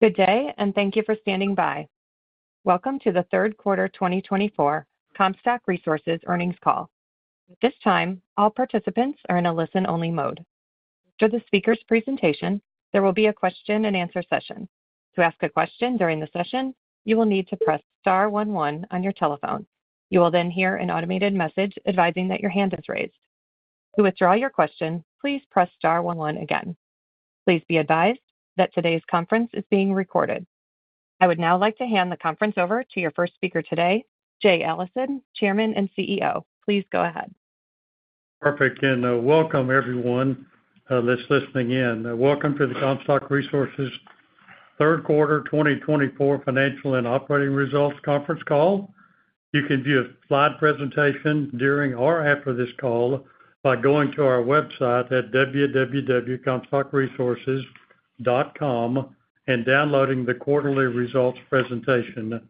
Good day, and thank you for standing by. Welcome to the third quarter 2024 Comstock Resources earnings call. At this time, all participants are in a listen-only mode. After the speaker's presentation, there will be a question-and-answer session. To ask a question during the session, you will need to press star 11 on your telephone. You will then hear an automated message advising that your hand is raised. To withdraw your question, please press star 11 again. Please be advised that today's conference is being recorded. I would now like to hand the conference over to your first speaker today, Jay Allison, Chairman and CEO. Please go ahead. Perfect, and welcome everyone that's listening in. Welcome to the Comstock Resources third quarter 2024 financial and operating results conference call. You can view a slide presentation during or after this call by going to our website at www.comstockresources.com and downloading the quarterly results presentation.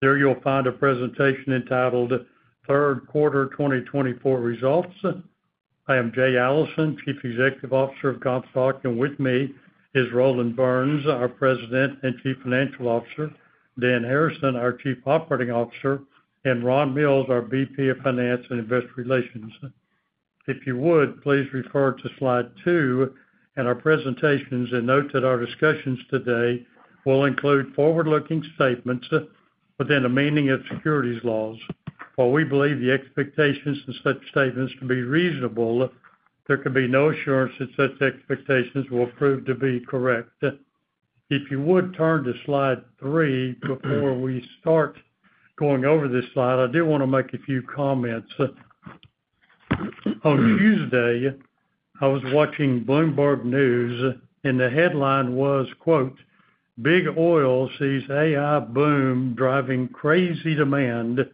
There you'll find a presentation entitled "Third Quarter 2024 Results." I am Jay Allison, Chief Executive Officer of Comstock, and with me is Roland Burns, our President and Chief Financial Officer, Dan Harrison, our Chief Operating Officer, and Ron Mills, our VP of Finance and Investor Relations. If you would, please refer to slide two in our presentations and note that our discussions today will include forward-looking statements within the meaning of securities laws. While we believe the expectations in such statements to be reasonable, there can be no assurance that such expectations will prove to be correct. If you would turn to slide three before we start going over this slide, I do want to make a few comments. On Tuesday, I was watching Bloomberg News, and the headline was, "Big Oil Sees AI Boom Driving Crazy Demand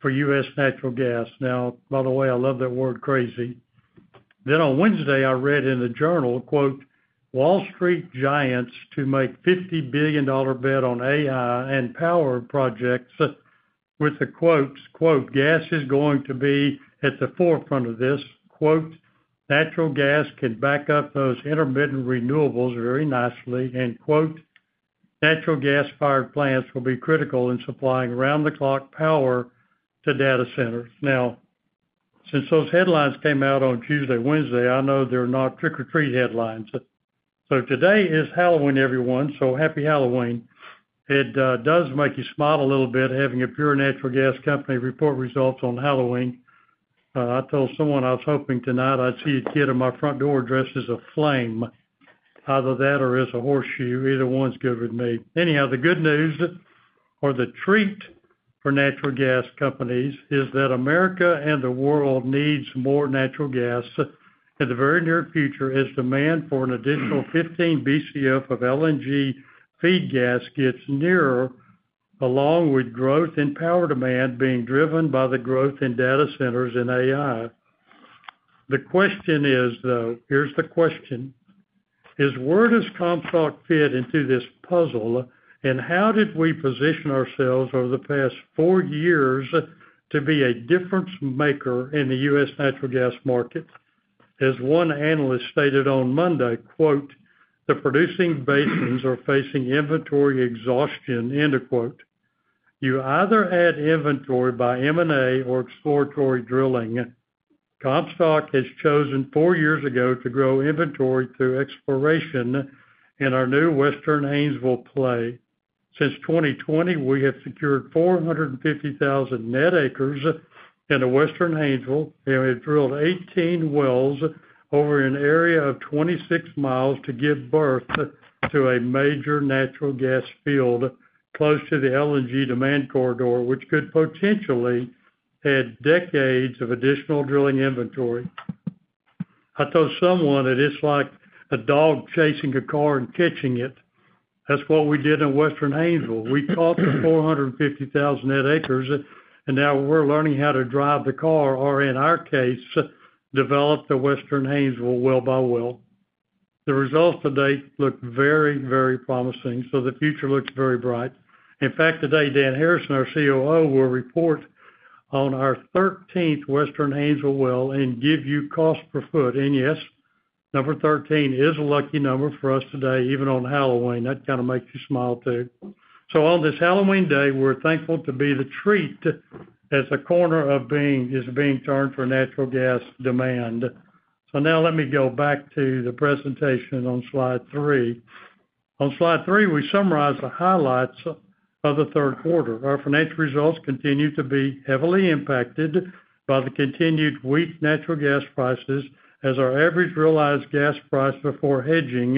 for US Natural Gas." Now, by the way, I love that word "crazy." Then on Wednesday, I read in the journal, "Wall Street Giants To Make $50 billion Bet on AI and Power Projects" with the quotes, "Gas is going to be at the forefront of this." "Natural gas can back up those intermittent renewables very nicely." "And natural gas-fired plants will be critical in supplying around-the-clock power to data centers." Now, since those headlines came out on Tuesday, Wednesday, I know they're not trick-or-treat headlines. So today is Halloween, everyone, so happy Halloween. It does make you smile a little bit having a pure natural gas company report results on Halloween. I told someone I was hoping tonight I'd see a kid at my front door dressed as a flame. Either that or as a horseshoe. Either one's good with me. Anyhow, the good news or the treat for natural gas companies is that America and the world needs more natural gas in the very near future as demand for an additional 15 BCF of LNG feed gas gets nearer, along with growth in power demand being driven by the growth in data centers and AI. The question is, though, here's the question: where does Comstock fit into this puzzle, and how did we position ourselves over the past four years to be a difference maker in the U.S. natural gas market? As one analyst stated on Monday, "The producing basins are facing inventory exhaustion." You either add inventory by M&A or exploratory drilling. Comstock has chosen four years ago to grow inventory through exploration in our new Western Haynesville play. Since 2020, we have secured 450,000 net acres in the Western Haynesville. We have drilled 18 wells over an area of 26 miles to give birth to a major natural gas field close to the LNG demand corridor, which could potentially add decades of additional drilling inventory. I told someone it is like a dog chasing a car and catching it. That's what we did in Western Haynesville. We caught the 450,000 net acres, and now we're learning how to drive the car or, in our case, develop the Western Haynesville well by well. The results today look very, very promising, so the future looks very bright. In fact, today, Dan Harrison, our COO, will report on our 13th Western Haynesville well and give you cost per foot. And yes, number 13 is a lucky number for us today, even on Halloween. That kind of makes you smile too. So on this Halloween day, we're thankful to be the treat as a corner is being turned for natural gas demand. So now let me go back to the presentation on slide three. On slide three, we summarize the highlights of the third quarter. Our financial results continue to be heavily impacted by the continued weak natural gas prices as our average realized gas price before hedging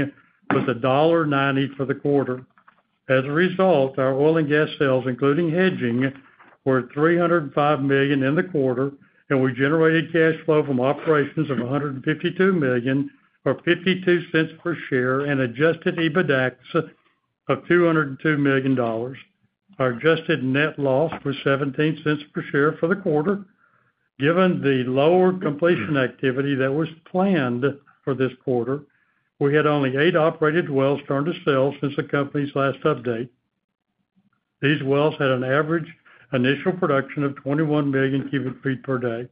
was $1.90 for the quarter. As a result, our oil and gas sales, including hedging, were $305 million in the quarter, and we generated cash flow from operations of $152.52 per share and Adjusted EBITDA of $202 million. Our adjusted net loss was $0.17 per share for the quarter. Given the lower completion activity that was planned for this quarter, we had only eight operated wells turned to sales since the company's last update. These wells had an average initial production of 21 million cubic feet per day.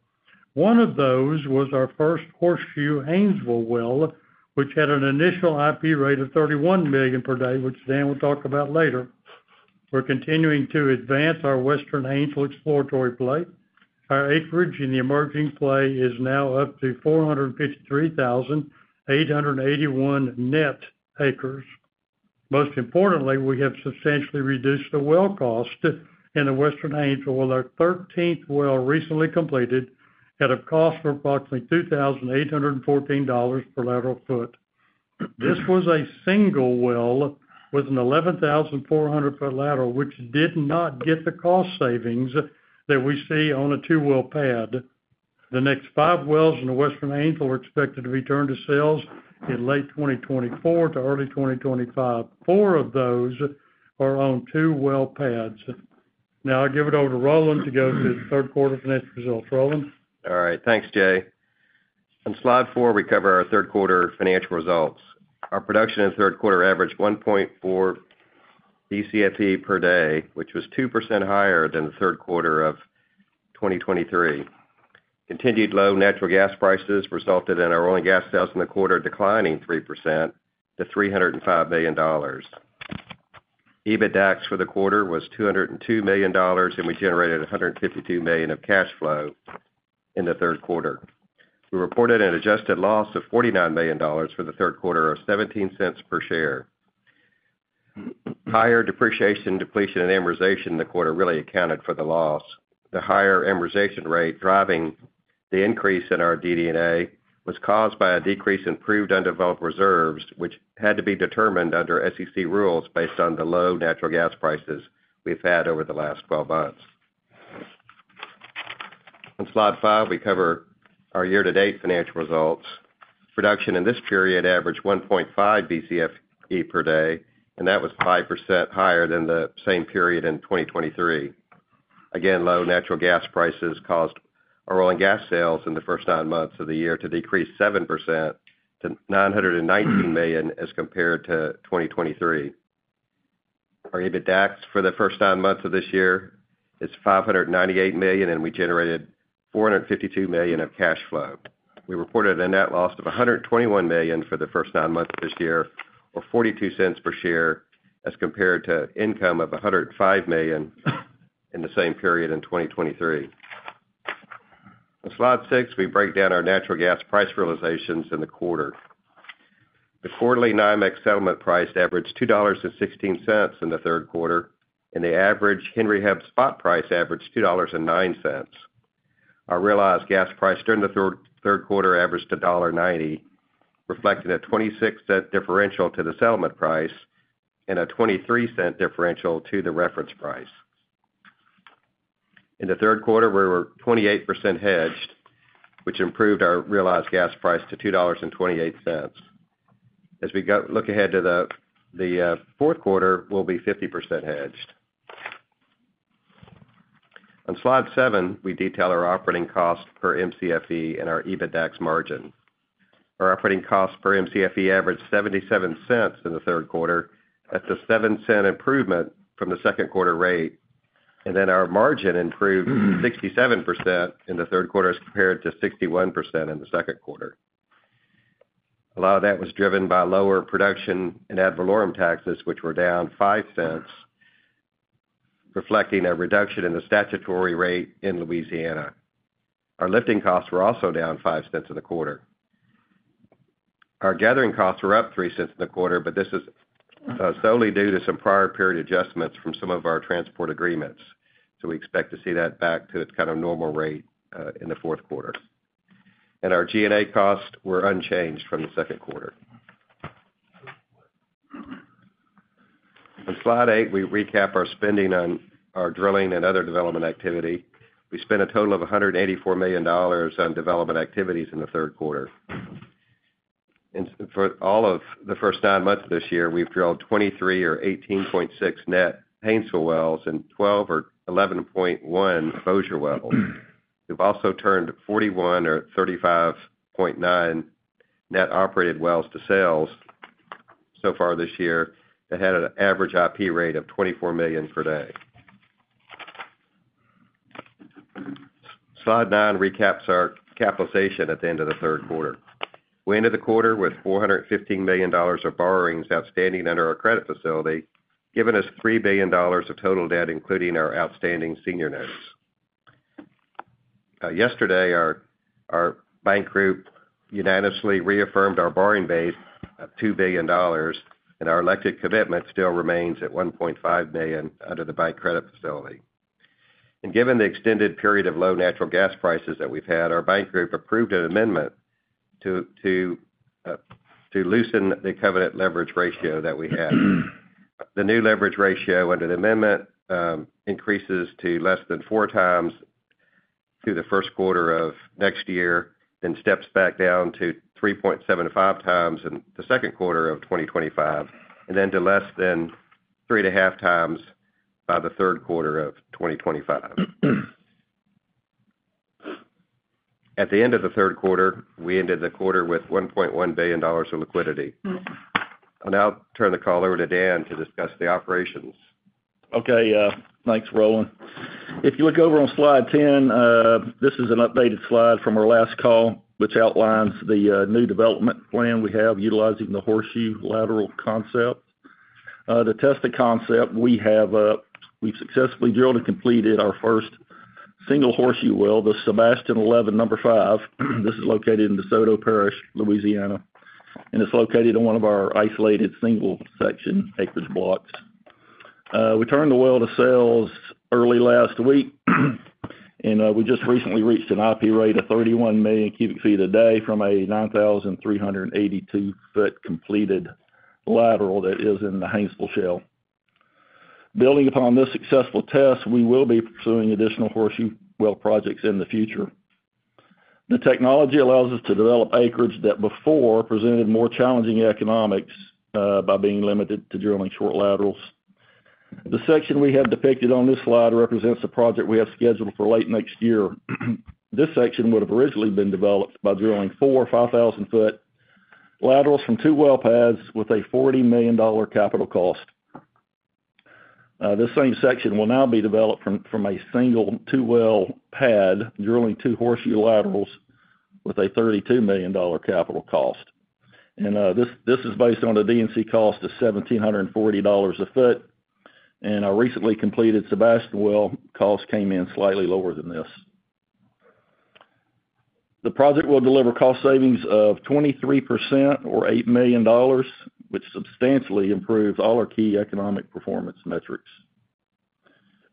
One of those was our first horseshoe Haynesville well, which had an initial IP rate of 31 million per day, which Dan will talk about later. We're continuing to advance our Western Haynesville exploratory play. Our acreage in the emerging play is now up to 453,881 net acres. Most importantly, we have substantially reduced the well cost in the Western Haynesville with our 13th well recently completed at a cost of approximately $2,814 per lateral foot. This was a single well with an 11,400-foot lateral, which did not get the cost savings that we see on a two-well pad. The next five wells in the Western Haynesville are expected to be turned to sales in late 2024 to early 2025. Four of those are on two-well pads. Now I'll give it over to Roland to go through the third quarter financial results. Roland. All right. Thanks, Jay. On slide four, we cover our third quarter financial results. Our production in the third quarter averaged 1.4 BCFE per day, which was 2% higher than the third quarter of 2023. Continued low natural gas prices resulted in our oil and gas sales in the quarter declining 3% to $305 million. EBITDA for the quarter was $202 million, and we generated $152 million of cash flow in the third quarter. We reported an adjusted loss of $49 million for the third quarter or $0.17 per share. Higher depreciation, depletion, and amortization in the quarter really accounted for the loss. The higher amortization rate driving the increase in our DD&A was caused by a decrease in proved undeveloped reserves, which had to be determined under SEC rules based on the low natural gas prices we've had over the last 12 months. On slide 5, we cover our year-to-date financial results. Production in this period averaged 1.5 Bcfe per day, and that was 5% higher than the same period in 2023. Again, low natural gas prices caused our oil and gas sales in the first nine months of the year to decrease 7% to $919 million as compared to 2023. Our EBITDA for the first nine months of this year is $598 million, and we generated $452 million of cash flow. We reported a net loss of $121 million for the first nine months of this year, or $0.42 per share as compared to income of $105 million in the same period in 2023. On slide six, we break down our natural gas price realizations in the quarter. The quarterly NYMEX settlement price averaged $2.16 in the third quarter, and the average Henry Hub spot price averaged $2.09. Our realized gas price during the third quarter averaged $1.90, reflecting a 26-cent differential to the settlement price and a 23-cent differential to the reference price. In the third quarter, we were 28% hedged, which improved our realized gas price to $2.28. As we look ahead to the fourth quarter, we'll be 50% hedged. On slide seven, we detail our operating cost per MCFE and our EBITDA margin. Our operating cost per MCFE averaged $0.77 in the third quarter at the seven-cent improvement from the second quarter rate, and then our margin improved 67% in the third quarter as compared to 61% in the second quarter. A lot of that was driven by lower production and ad valorem taxes, which were down five cents, reflecting a reduction in the statutory rate in Louisiana. Our lifting costs were also down five cents in the quarter. Our gathering costs were up $0.03 in the quarter, but this is solely due to some prior period adjustments from some of our transport agreements. So we expect to see that back to its kind of normal rate in the fourth quarter. And our G&A costs were unchanged from the second quarter. On slide eight, we recap our spending on our drilling and other development activity. We spent a total of $184 million on development activities in the third quarter. And for all of the first nine months of this year, we've drilled 23 or 18.6 net Haynesville wells and 12 or 11.1 Bossier wells. We've also turned 41 or 35.9 net operated wells to sales so far this year that had an average IP rate of $24 million per day. Slide nine recaps our capitalization at the end of the third quarter. We ended the quarter with $415 million of borrowings outstanding under our credit facility, giving us $3 billion of total debt, including our outstanding senior notes. Yesterday, our bank group unanimously reaffirmed our borrowing base of $2 billion, and our elective commitment still remains at $1.5 million under the bank credit facility, and given the extended period of low natural gas prices that we've had, our bank group approved an amendment to loosen the covenant leverage ratio that we had. The new leverage ratio under the amendment increases to less than four times through the first quarter of next year, then steps back down to 3.75 times in the second quarter of 2025, and then to less than three and a half times by the third quarter of 2025. At the end of the third quarter, we ended the quarter with $1.1 billion of liquidity. And I'll turn the call over to Dan to discuss the operations. Okay. Thanks, Roland. If you look over on slide 10, this is an updated slide from our last call, which outlines the new development plan we have utilizing the horseshoe lateral concept. To test the concept, we have successfully drilled and completed our first single horseshoe well, the Sebastian 11 No. 5. This is located in DeSoto Parish, Louisiana, and it's located in one of our isolated single section acreage blocks. We turned the well to sales early last week, and we just recently reached an IP rate of 31 million cubic feet a day from a 9,382-foot completed lateral that is in the Haynesville Shale. Building upon this successful test, we will be pursuing additional horseshoe well projects in the future. The technology allows us to develop acreage that before presented more challenging economics by being limited to drilling short laterals. The section we have depicted on this slide represents a project we have scheduled for late next year. This section would have originally been developed by drilling four 5,000-foot laterals from two well pads with a $40 million capital cost. This same section will now be developed from a single two well pad drilling two horseshoe laterals with a $32 million capital cost, and this is based on a D&C cost of $1,740 a foot, and our recently completed Sebastian well cost came in slightly lower than this. The project will deliver cost savings of 23% or $8 million, which substantially improves all our key economic performance metrics.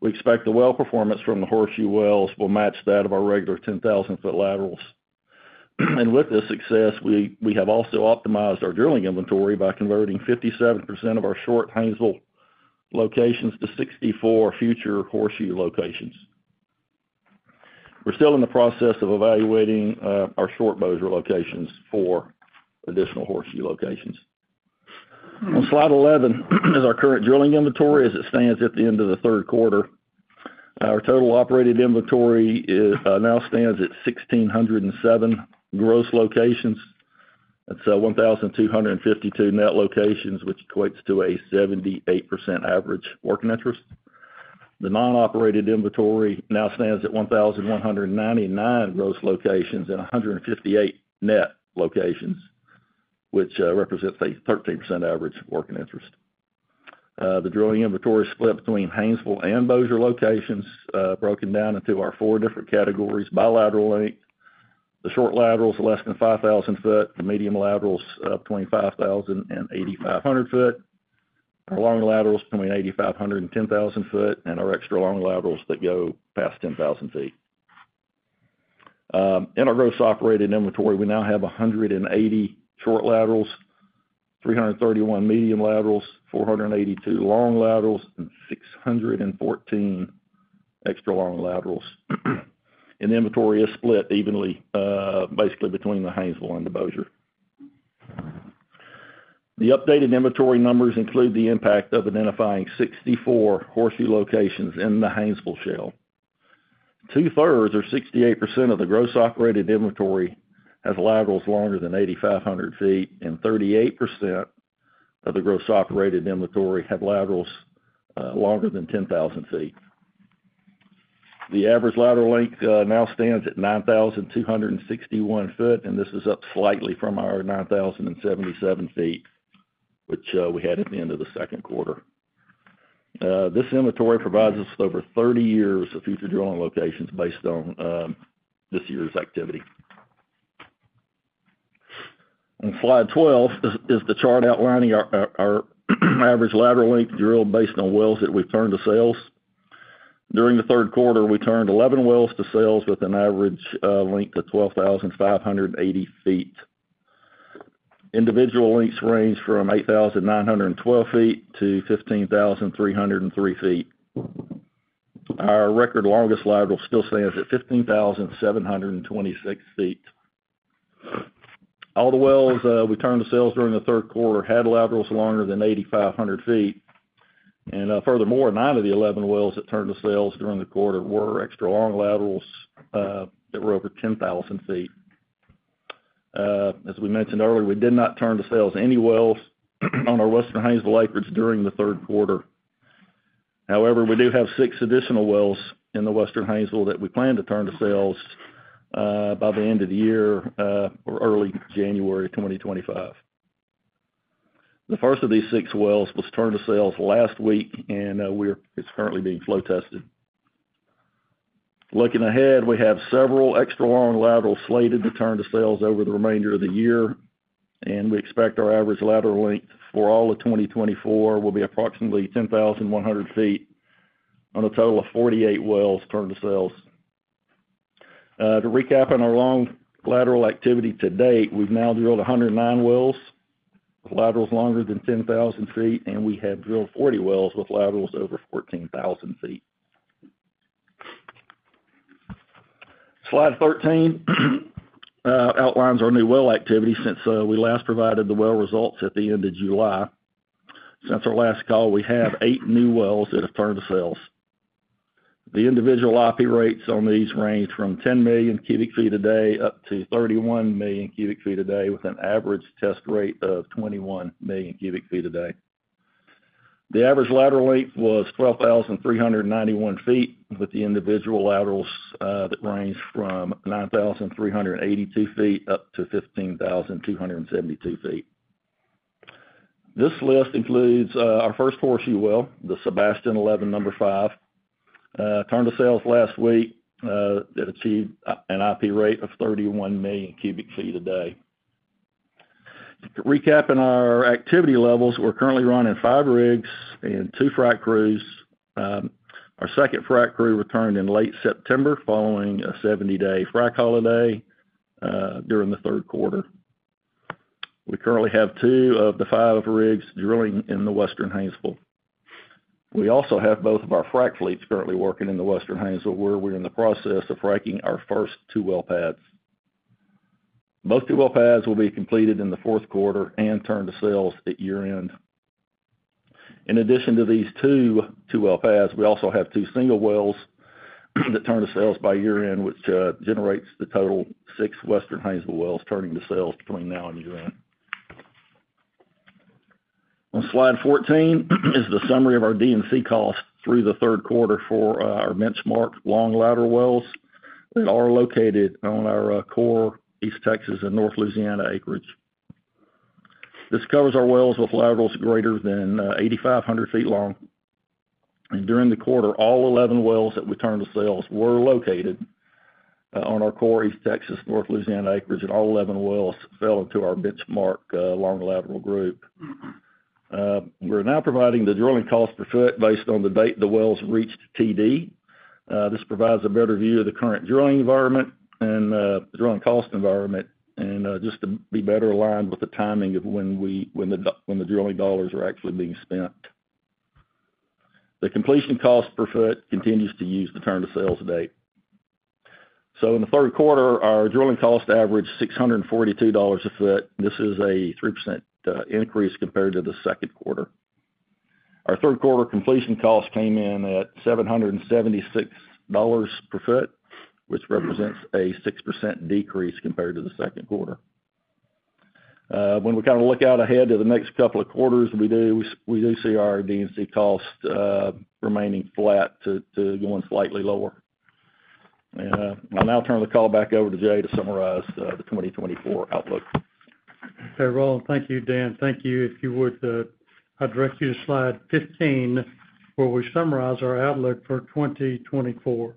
We expect the well performance from the horseshoe wells will match that of our regular 10,000-foot laterals, and with this success, we have also optimized our drilling inventory by converting 57% of our short Haynesville locations to 64 future horseshoe locations. We're still in the process of evaluating our short Bossier locations for additional horseshoe locations. On slide 11 is our current drilling inventory as it stands at the end of the third quarter. Our total operated inventory now stands at 1,607 gross locations. It's 1,252 net locations, which equates to a 78% average work interest. The non-operated inventory now stands at 1,199 gross locations and 158 net locations, which represents a 13% average work interest. The drilling inventory split between Haynesville and Bossier locations broken down into our four different categories: lateral length, the short laterals less than 5,000 feet, the medium laterals of 5,000 to 8,500 feet, our long laterals between 8,500 and 10,000 feet, and our extra long laterals that go past 10,000 feet. In our gross operated inventory, we now have 180 short laterals, 331 medium laterals, 482 long laterals, and 614 extra long laterals. Inventory is split evenly, basically between the Haynesville and the Bossier. The updated inventory numbers include the impact of identifying 64 horseshoe locations in the Haynesville Shale. Two-thirds or 68% of the gross operated inventory has laterals longer than 8,500 feet, and 38% of the gross operated inventory have laterals longer than 10,000 feet. The average lateral length now stands at 9,261 feet, and this is up slightly from our 9,077 feet, which we had at the end of the second quarter. This inventory provides us with over 30 years of future drilling locations based on this year's activity. On slide 12 is the chart outlining our average lateral length drilled based on wells that we've turned to sales. During the third quarter, we turned 11 wells to sales with an average length of 12,580 feet. Individual lengths range from 8,912 feet to 15,303 feet. Our record longest lateral still stands at 15,726 feet. All the wells we turned to sales during the third quarter had laterals longer than 8,500 feet. And furthermore, nine of the 11 wells that turned to sales during the quarter were extra long laterals that were over 10,000 feet. As we mentioned earlier, we did not turn to sales any wells on our Western Haynesville acreage during the third quarter. However, we do have six additional wells in the Western Haynesville that we plan to turn to sales by the end of the year or early January 2025. The first of these six wells was turned to sales last week, and it's currently being flow tested. Looking ahead, we have several extra long laterals slated to turn to sales over the remainder of the year, and we expect our average lateral length for all of 2024 will be approximately 10,100 feet on a total of 48 wells turned to sales. To recap on our long lateral activity to date, we've now drilled 109 wells with laterals longer than 10,000 feet, and we have drilled 40 wells with laterals over 14,000 feet. Slide 13 outlines our new well activity since we last provided the well results at the end of July. Since our last call, we have eight new wells that have turned to sales. The individual IP rates on these range from 10 million cubic feet a day up to 31 million cubic feet a day with an average test rate of 21 million cubic feet a day. The average lateral length was 12,391 feet with the individual laterals that range from 9,382 feet up to 15,272 feet. This list includes our first horseshoe well, the Sebastian 11 No. 5, turned to sales last week that achieved an IP rate of 31 million cubic feet a day. Recapping our activity levels, we're currently running five rigs and two frac crews. Our second frac crew returned in late September following a 70-day frac holiday during the third quarter. We currently have two of the five rigs drilling in the Western Haynesville. We also have both of our frac fleets currently working in the Western Haynesville, where we're in the process of fracking our first two well pads. Both two well pads will be completed in the fourth quarter and turned to sales at year-end. In addition to these two well pads, we also have two single wells that turn to sales by year-end, which generates the total six Western Haynesville wells turning to sales between now and year-end. On slide 14 is the summary of our D&C costs through the third quarter for our benchmark long lateral wells that are located on our Core, East Texas, and North Louisiana acreage. This covers our wells with laterals greater than 8,500 feet long, and during the quarter, all 11 wells that we turned to sales were located on our Core, East Texas, North Louisiana acreage, and all 11 wells fell into our benchmark long lateral group. We're now providing the drilling cost per foot based on the date the wells reached TD. This provides a better view of the current drilling environment and drilling cost environment and just to be better aligned with the timing of when the drilling dollars are actually being spent. The completion cost per foot continues to use the turn-to-sales date, so in the third quarter, our drilling cost averaged $642 a foot. This is a 3% increase compared to the second quarter. Our third quarter completion cost came in at $776 per foot, which represents a 6% decrease compared to the second quarter. When we kind of look out ahead to the next couple of quarters, we do see our D&C cost remaining flat to going slightly lower, and I'll now turn the call back over to Jay to summarize the 2024 outlook. Okay, Roland. Thank you, Dan. Thank you. If you would, I'd direct you to slide 15, where we summarize our outlook for 2024.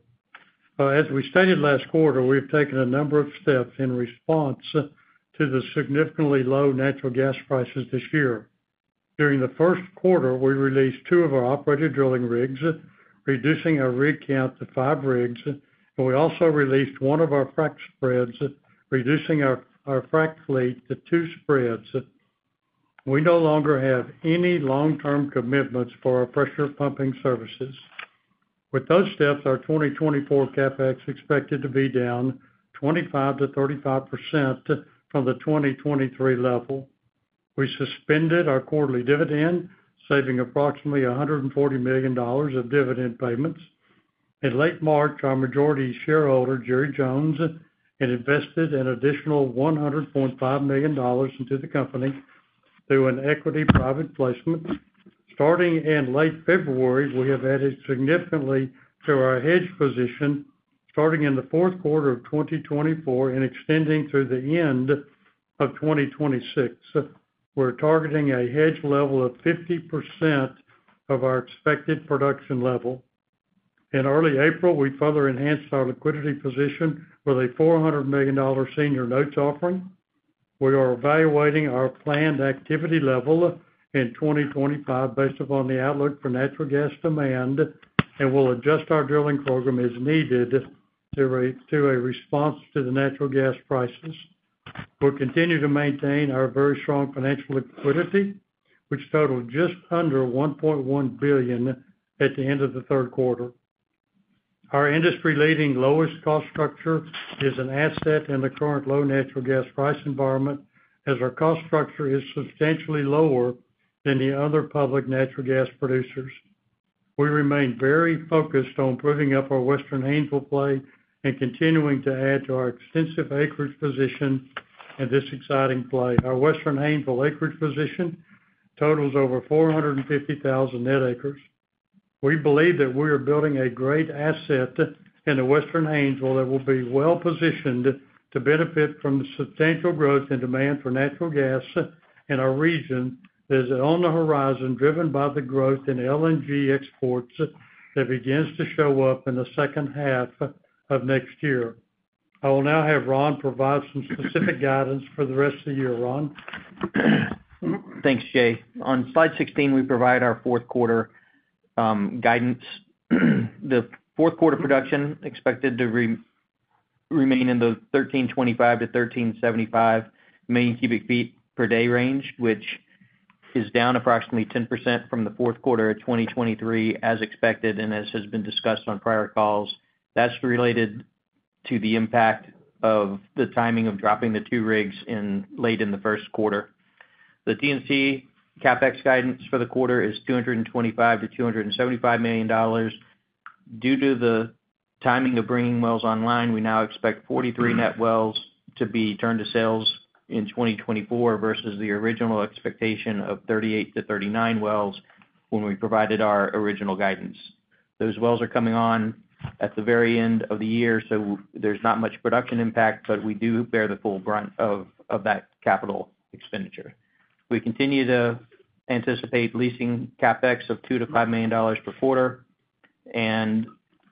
As we stated last quarter, we've taken a number of steps in response to the significantly low natural gas prices this year. During the first quarter, we released two of our operated drilling rigs, reducing our rig count to five rigs. And we also released one of our frac spreads, reducing our frac fleet to two spreads. We no longer have any long-term commitments for our pressure pumping services. With those steps, our 2024 CapEx is expected to be down 25%-35% from the 2023 level. We suspended our quarterly dividend, saving approximately $140 million of dividend payments. In late March, our majority shareholder, Jerry Jones, invested an additional $100.5 million into the company through an equity private placement. Starting in late February, we have added significantly to our hedge position starting in the fourth quarter of 2024 and extending through the end of 2026. We're targeting a hedge level of 50% of our expected production level. In early April, we further enhanced our liquidity position with a $400 million senior notes offering. We are evaluating our planned activity level in 2025 based upon the outlook for natural gas demand and will adjust our drilling program as needed in response to the natural gas prices. We'll continue to maintain our very strong financial liquidity, which totaled just under $1.1 billion at the end of the third quarter. Our industry-leading lowest cost structure is an asset in the current low natural gas price environment as our cost structure is substantially lower than the other public natural gas producers. We remain very focused on putting up our Western Haynesville play and continuing to add to our extensive acreage position in this exciting play. Our Western Haynesville acreage position totals over 450,000 net acres. We believe that we are building a great asset in the Western Haynesville that will be well positioned to benefit from the substantial growth in demand for natural gas in our region that is on the horizon driven by the growth in LNG exports that begins to show up in the second half of next year. I will now have Ron provide some specific guidance for the rest of the year. Ron? Thanks, Jay. On slide 16, we provide our fourth quarter guidance. The fourth quarter production is expected to remain in the 1,325-1,375 million cubic feet per day range, which is down approximately 10% from the fourth quarter of 2023 as expected and as has been discussed on prior calls. That's related to the impact of the timing of dropping the two rigs late in the first quarter. The D&C CapEx guidance for the quarter is $225-$275 million. Due to the timing of bringing wells online, we now expect 43 net wells to be turned to sales in 2024 versus the original expectation of 38-39 wells when we provided our original guidance. Those wells are coming on at the very end of the year, so there's not much production impact, but we do bear the full brunt of that capital expenditure. We continue to anticipate leasing CapEx of $2-$5 million per quarter. And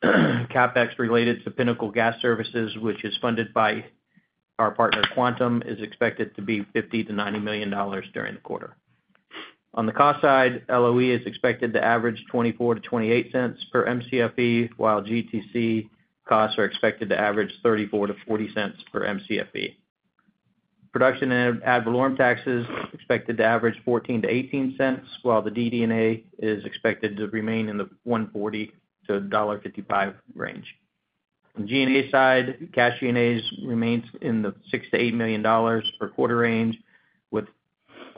CapEx related to Pinnacle Gas Services, which is funded by our partner Quantum, is expected to be $50-$90 million during the quarter. On the cost side, LOE is expected to average $0.24-$0.28 per Mcfe, while GTC costs are expected to average $0.34-$0.40 per Mcfe. Production and ad valorem taxes are expected to average $0.14-$0.18, while the DD&A is expected to remain in the $1.40-$1.55 range. On the G&A side, cash G&As remain in the $6-$8 million per quarter range, with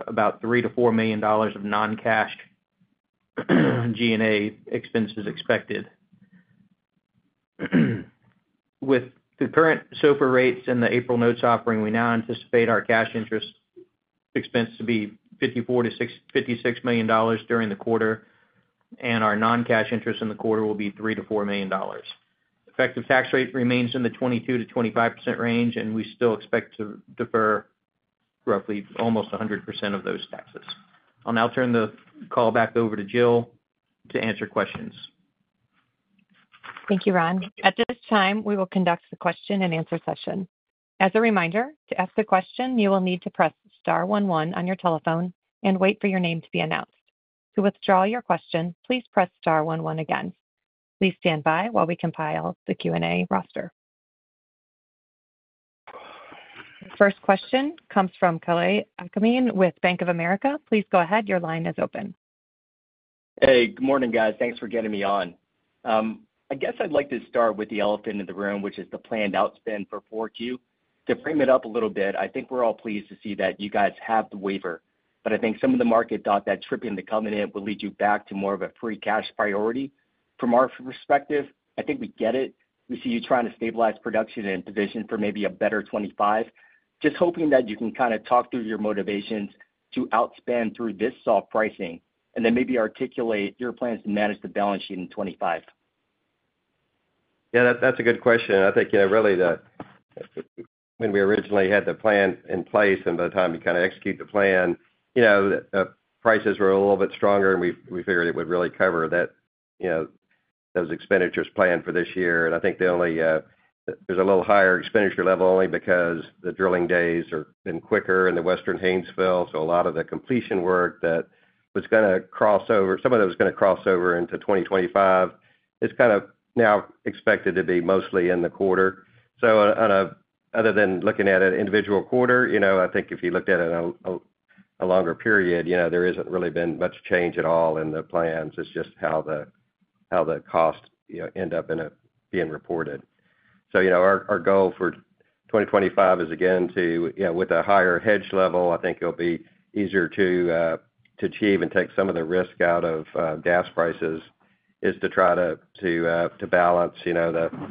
about $3-$4 million of non-cash G&A expenses expected. With the current SOFR rates and the April notes offering, we now anticipate our cash interest expense to be $54-$56 million during the quarter, and our non-cash interest in the quarter will be $3-$4 million. Effective tax rate remains in the 22%-25% range, and we still expect to defer roughly almost 100% of those taxes. I'll now turn the call back over to Jill to answer questions. Thank you, Ron. At this time, we will conduct the question and answer session. As a reminder, to ask a question, you will need to press star 11 on your telephone and wait for your name to be announced. To withdraw your question, please press star 11 again. Please stand by while we compile the Q&A roster. First question comes from Kalei Akamine with Bank of America. Please go ahead. Your line is open. Hey, good morning, guys. Thanks for getting me on. I guess I'd like to start with the elephant in the room, which is the planned outspend for 4Q. To frame it up a little bit, I think we're all pleased to see that you guys have the waiver. But I think some of the market thought that tripping the covenant would lead you back to more of a free cash priority. From our perspective, I think we get it. We see you trying to stabilize production and position for maybe a better 2025. Just hoping that you can kind of talk through your motivations to outspend through this soft pricing and then maybe articulate your plans to manage the balance sheet in 2025. Yeah, that's a good question. I think really that when we originally had the plan in place and by the time we kind of execute the plan, prices were a little bit stronger, and we figured it would really cover those expenditures planned for this year. And I think there's a little higher expenditure level only because the drilling days have been quicker in the Western Haynesville. So a lot of the completion work that was going to cross over, some of it was going to cross over into 2025, it's kind of now expected to be mostly in the quarter. So other than looking at an individual quarter, I think if you looked at it in a longer period, there hasn't really been much change at all in the plans. It's just how the costs end up being reported. So, our goal for 2025 is, again, with a higher hedge level, I think it'll be easier to achieve and take some of the risk out of gas prices, is to try to balance the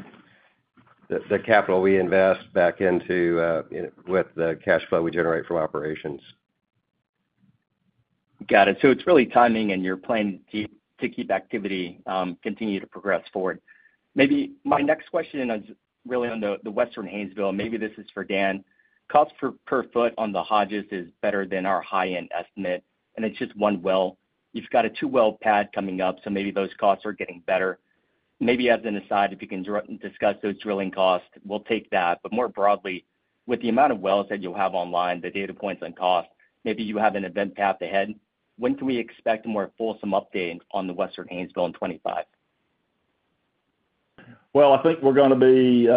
capital we invest back into with the cash flow we generate from operations. Got it. So it's really timing and your plan to keep activity continue to progress forward. Maybe my next question is really on the Western Haynesville. Maybe this is for Dan. Cost per foot on the Hodges is better than our high-end estimate. And it's just one well. You've got a two well pad coming up, so maybe those costs are getting better. Maybe as an aside, if you can discuss those drilling costs, we'll take that. But more broadly, with the amount of wells that you'll have online, the data points on cost, maybe you have an event path ahead. When can we expect a more fulsome update on the Western Haynesville in 2025? I think we're going to be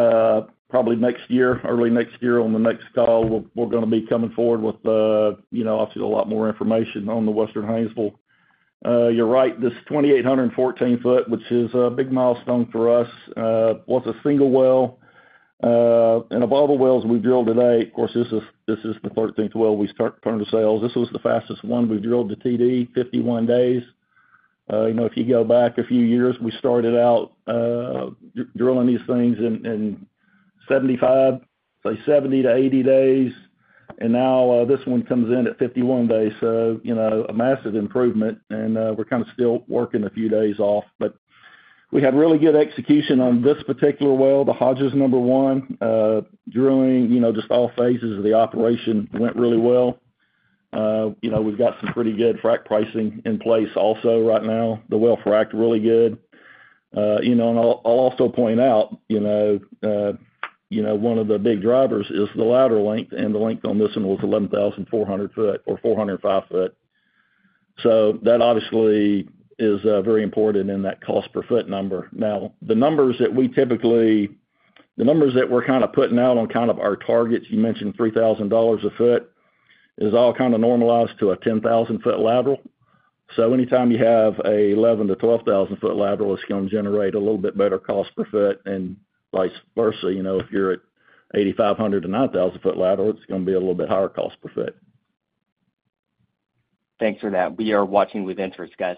probably next year, early next year on the next call. We're going to be coming forward with obviously a lot more information on the Western Haynesville. You're right. This 2,814-foot, which is a big milestone for us, was a single well. Of all the wells we've drilled today, of course, this is the 13th well we started, turned to sales. This was the fastest one we've drilled to TD, 51 days. If you go back a few years, we started out drilling these things in 75, say 70-80 days. Now this one comes in at 51 days. It is a massive improvement. We're kind of still working a few days off. But we had really good execution on this particular well. The Hodges No. 1 drilling just all phases of the operation went really well. We've got some pretty good frac pricing in place also right now. The well frac is really good. And I'll also point out one of the big drivers is the lateral length. And the length on this one was 11,400 feet or 10,405 feet. So that obviously is very important in that cost per foot number. Now, the numbers that we typically, the numbers that we're kind of putting out on kind of our targets, you mentioned $3,000 a foot, is all kind of normalized to a 10,000-foot lateral. So anytime you have an 11,000-12,000-foot lateral, it's going to generate a little bit better cost per foot and vice versa. If you're at 8,500-9,000-foot lateral, it's going to be a little bit higher cost per foot. Thanks for that. We are watching with interest, guys.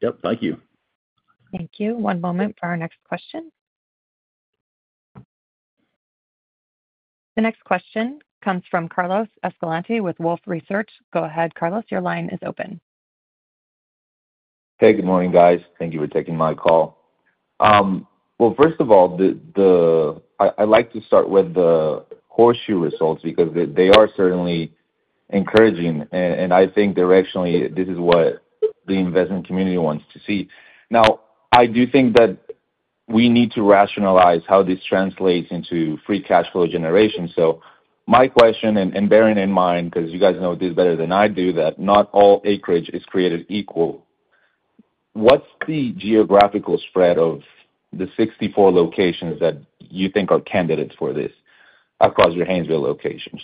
Yep. Thank you. Thank you. One moment for our next question. The next question comes from Carlos Escalante with Wolfe Research. Go ahead, Carlos. Your line is open. Hey, good morning, guys. Thank you for taking my call. Well, first of all, I'd like to start with the horseshoe results because they are certainly encouraging, and I think directionally, this is what the investment community wants to see. Now, I do think that we need to rationalize how this translates into free cash flow generation, so my question, and bearing in mind, because you guys know this better than I do, that not all acreage is created equal. What's the geographical spread of the 64 locations that you think are candidates for this across your Haynesville locations?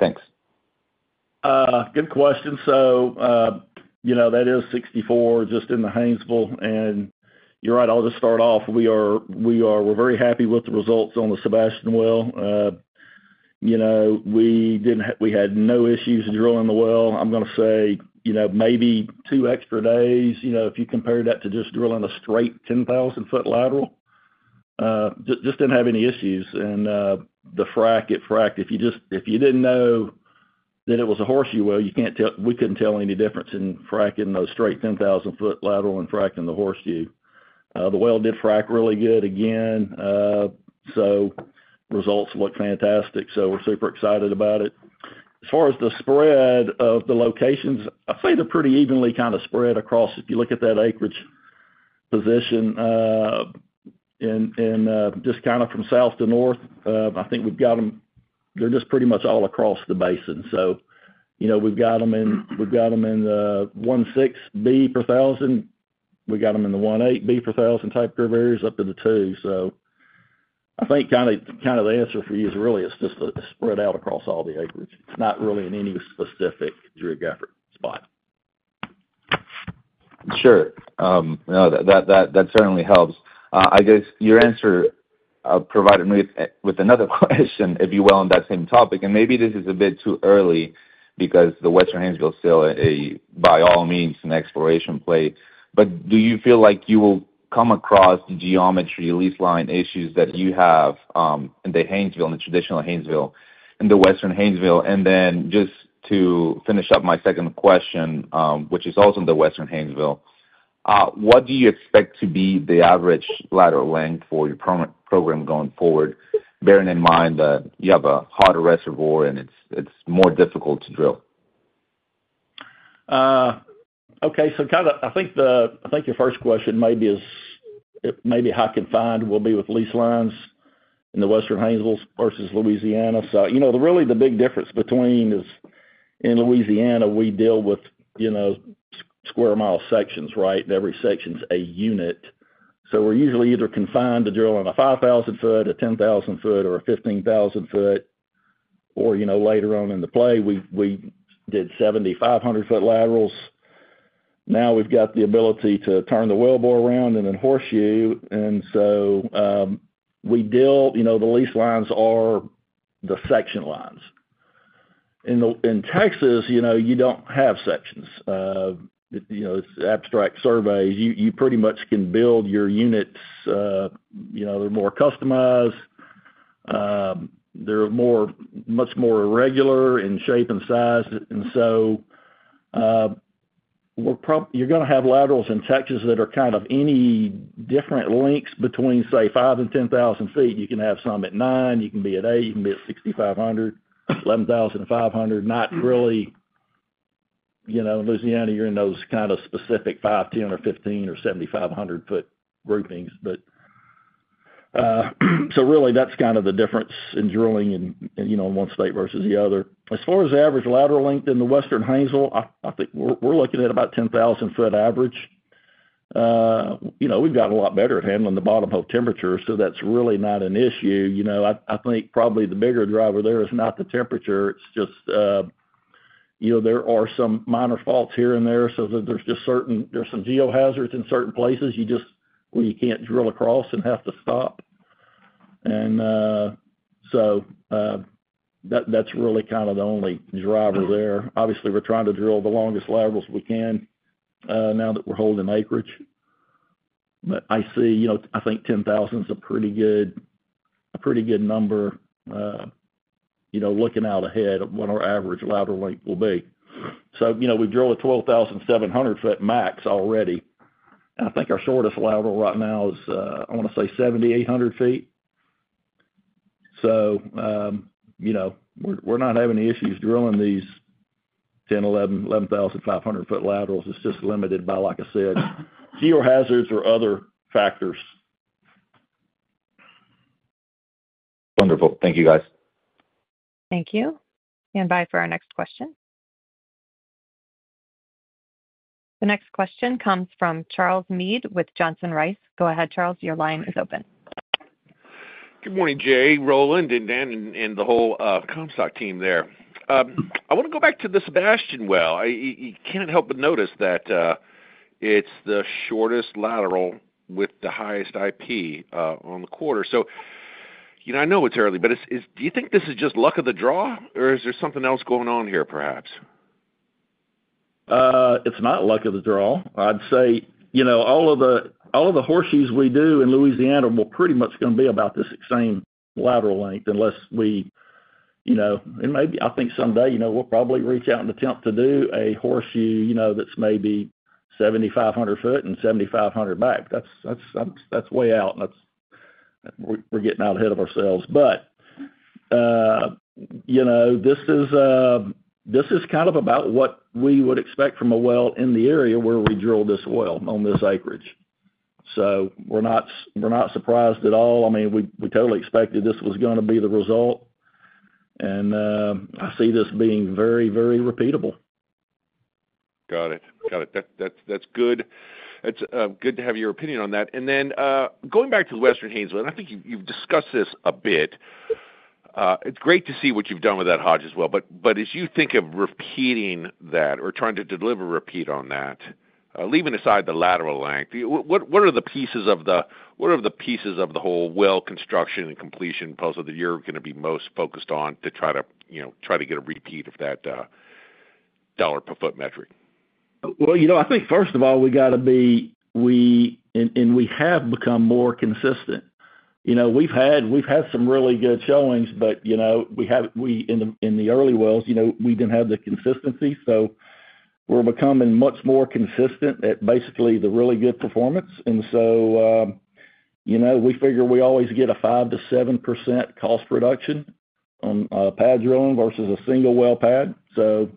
Thanks. Good question, so that is 64 just in the Haynesville, and you're right. I'll just start off. We're very happy with the results on the Sebastian well. We had no issues drilling the well. I'm going to say maybe two extra days if you compare that to just drilling a straight 10,000-foot lateral. Just didn't have any issues, and the frac, it fracked. If you didn't know that it was a horseshoe well, we couldn't tell any difference in fracking those straight 10,000-foot lateral and fracking the horseshoe. The well did frac really good again, so results look fantastic, so we're super excited about it. As far as the spread of the locations, I'd say they're pretty evenly kind of spread across if you look at that acreage position, and just kind of from south to north, I think we've got them, they're just pretty much all across the basin. So we've got them in the 1.6 B per thousand. We've got them in the 1.8 B per thousand type grid areas up to the two. So I think kind of the answer for you is really it's just spread out across all the acreage. It's not really in any specific geographic spot. Sure. That certainly helps. I guess your answer provided me with another question, if you will, on that same topic. And maybe this is a bit too early because the Western Haynesville is still, by all means, an exploration play. But do you feel like you will come across the geometry lease line issues that you have in the Haynesville, in the traditional Haynesville, in the Western Haynesville? And then just to finish up my second question, which is also in the Western Haynesville, what do you expect to be the average lateral length for your program going forward, bearing in mind that you have a hotter reservoir and it's more difficult to drill? Okay. So kind of I think your first question maybe is how confined we'll be with lease lines in the Western Haynesville versus Louisiana. So really the big difference between is in Louisiana, we deal with square mile sections, right? And every section's a unit. So we're usually either confined to drilling a 5,000-foot, a 10,000-foot, or a 15,000-foot. Or later on in the play, we did 7,500-foot laterals. Now we've got the ability to turn the wellbore around and then horseshoe. And so we deal the lease lines are the section lines. In Texas, you don't have sections. It's abstract surveys. You pretty much can build your units. They're more customized. They're much more irregular in shape and size. And so you're going to have laterals in Texas that are kind of any different lengths between, say, 5,000 and 10,000 feet. You can have some at 9,000. You can be at 8,000. You can be at 6,500, 11,500. Not really in Louisiana, you're in those kind of specific 5,000, 10,000, or 15,000 or 7,500-foot groupings. So really, that's kind of the difference in drilling in one state versus the other. As far as the average lateral length in the Western Haynesville, I think we're looking at about 10,000-foot average. We've gotten a lot better at handling the bottom hole temperature, so that's really not an issue. I think probably the bigger driver there is not the temperature. It's just there are some minor faults here and there. So there's just certain there's some geohazards in certain places where you can't drill across and have to stop. And so that's really kind of the only driver there. Obviously, we're trying to drill the longest laterals we can now that we're holding acreage. But I see I think 10,000 is a pretty good number looking out ahead of what our average lateral length will be. So we drilled a 12,700-foot max already. I think our shortest lateral right now is, I want to say, 7,800 feet. So we're not having any issues drilling these 10,000, 11,000, 11,500-foot laterals. It's just limited by, like I said, geohazards or other factors. Wonderful. Thank you, guys. Thank you. And now for our next question. The next question comes from Charles Meade with Johnson Rice. Go ahead, Charles. Your line is open. Good morning, Jay, Roland, and Dan, and the whole Comstock team there. I want to go back to the Sebastian well. You can't help but notice that it's the shortest lateral with the highest IP on the quarter. So I know it's early, but do you think this is just luck of the draw, or is there something else going on here, perhaps? It's not luck of the draw. I'd say all of the horseshoes we do in Louisiana will pretty much going to be about this same lateral length unless we and maybe I think someday we'll probably reach out and attempt to do a horseshoe that's maybe 7,500 foot and 7,500 back. That's way out. We're getting out ahead of ourselves, but this is kind of about what we would expect from a well in the area where we drilled this well on this acreage. So we're not surprised at all. I mean, we totally expected this was going to be the result, and I see this being very, very repeatable. Got it. Got it. That's good. It's good to have your opinion on that. And then going back to the Western Haynesville, and I think you've discussed this a bit. It's great to see what you've done with that Hodges well. But as you think of repeating that or trying to deliver a repeat on that, leaving aside the lateral length, what are the pieces of the whole well construction and completion puzzle that you're going to be most focused on to try to get a repeat of that dollar per foot metric? I think first of all, we got to be and we have become more consistent. We've had some really good showings, but in the early wells, we didn't have the consistency. So we're becoming much more consistent at basically the really good performance. And so we figure we always get a 5%-7% cost reduction on pad drilling versus a single well pad. So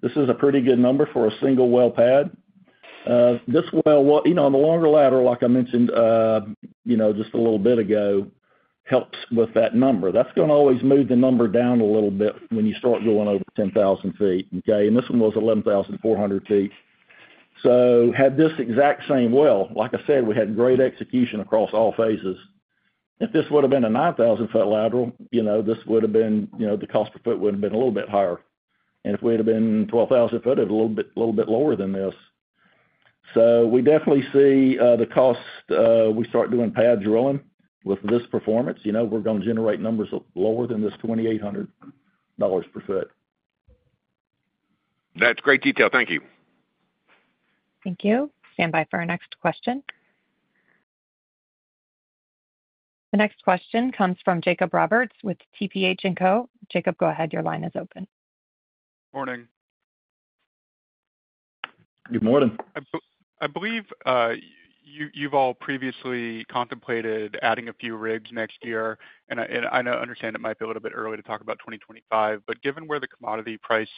this is a pretty good number for a single well pad. This well, on the longer lateral, like I mentioned just a little bit ago, helps with that number. That's going to always move the number down a little bit when you start drilling over 10,000 feet, okay? And this one was 11,400 feet. So had this exact same well, like I said, we had great execution across all phases. If this would have been a 9,000-foot lateral, the cost per foot would have been a little bit higher. If we had been 12,000-foot, it would have been a little bit lower than this. We definitely see the cost. We start doing pad drilling with this performance, we're going to generate numbers lower than this $2,800 per foot. That's great detail. Thank you. Thank you. Stand by for our next question. The next question comes from Jacob Roberts with TPH & Co. Jacob, go ahead. Your line is open. Morning. Good morning. I believe you've all previously contemplated adding a few rigs next year, and I understand it might be a little bit early to talk about 2025, but given where the commodity price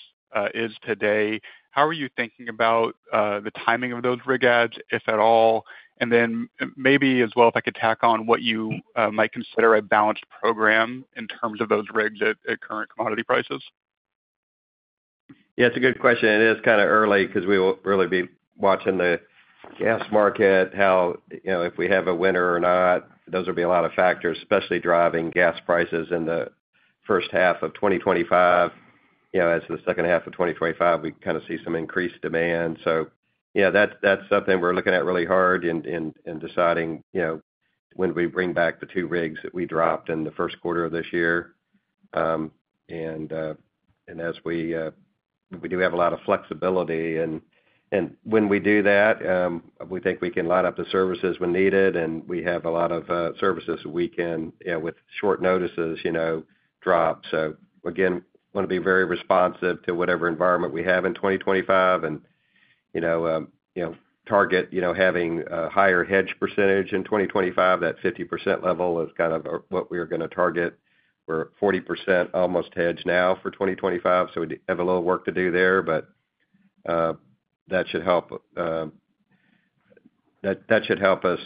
is today, how are you thinking about the timing of those rig adds, if at all, and then maybe as well, if I could tack on what you might consider a balanced program in terms of those rigs at current commodity prices? Yeah, it's a good question. It is kind of early because we will really be watching the gas market, how if we have a winter or not. Those will be a lot of factors, especially driving gas prices in the first half of 2025. In the second half of 2025, we kind of see some increased demand. That's something we're looking at really hard and deciding when we bring back the two rigs that we dropped in the first quarter of this year. We do have a lot of flexibility. When we do that, we think we can line up the services when needed. We have a lot of services we can, with short notices, drop. Again, we want to be very responsive to whatever environment we have in 2025 and target having a higher hedge percentage in 2025. That 50% level is kind of what we're going to target. We're 40% almost hedged now for 2025. So we have a little work to do there. But that should help us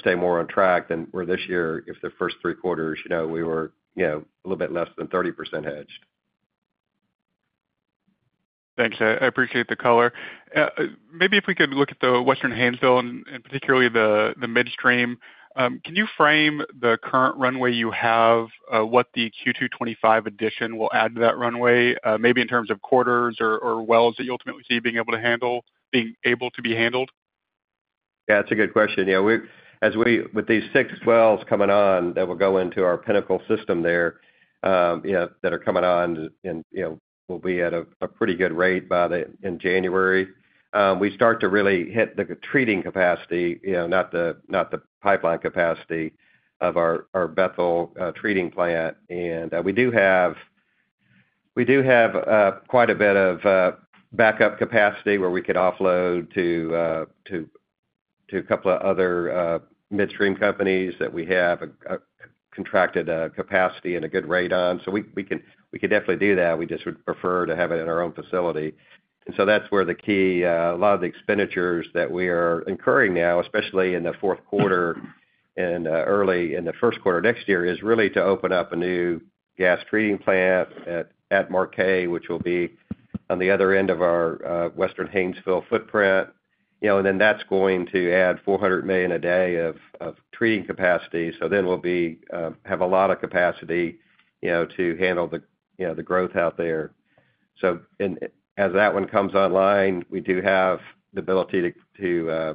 stay more on track than where this year, if the first three quarters, we were a little bit less than 30% hedged. Thanks. I appreciate the color. Maybe if we could look at the Western Haynesville and particularly the midstream, can you frame the current runway you have, what the Q2 2025 expansion will add to that runway, maybe in terms of quarters or wells that you ultimately see being able to handle? Yeah, that's a good question. Yeah. With these six wells coming on that will go into our Pinnacle system there that are coming on, and we'll be at a pretty good rate by January, we start to really hit the treating capacity, not the pipeline capacity, of our Bethel treating plant, and we do have quite a bit of backup capacity where we could offload to a couple of other midstream companies that we have contracted capacity and a good rate on. So we could definitely do that. We just would prefer to have it in our own facility. And so that's where the key a lot of the expenditures that we are incurring now, especially in the fourth quarter and early in the first quarter next year, is really to open up a new gas treating plant at Marquez, which will be on the other end of our Western Haynesville footprint. And then that's going to add 400 million a day of treating capacity. So then we'll have a lot of capacity to handle the growth out there. So as that one comes online, we do have the ability to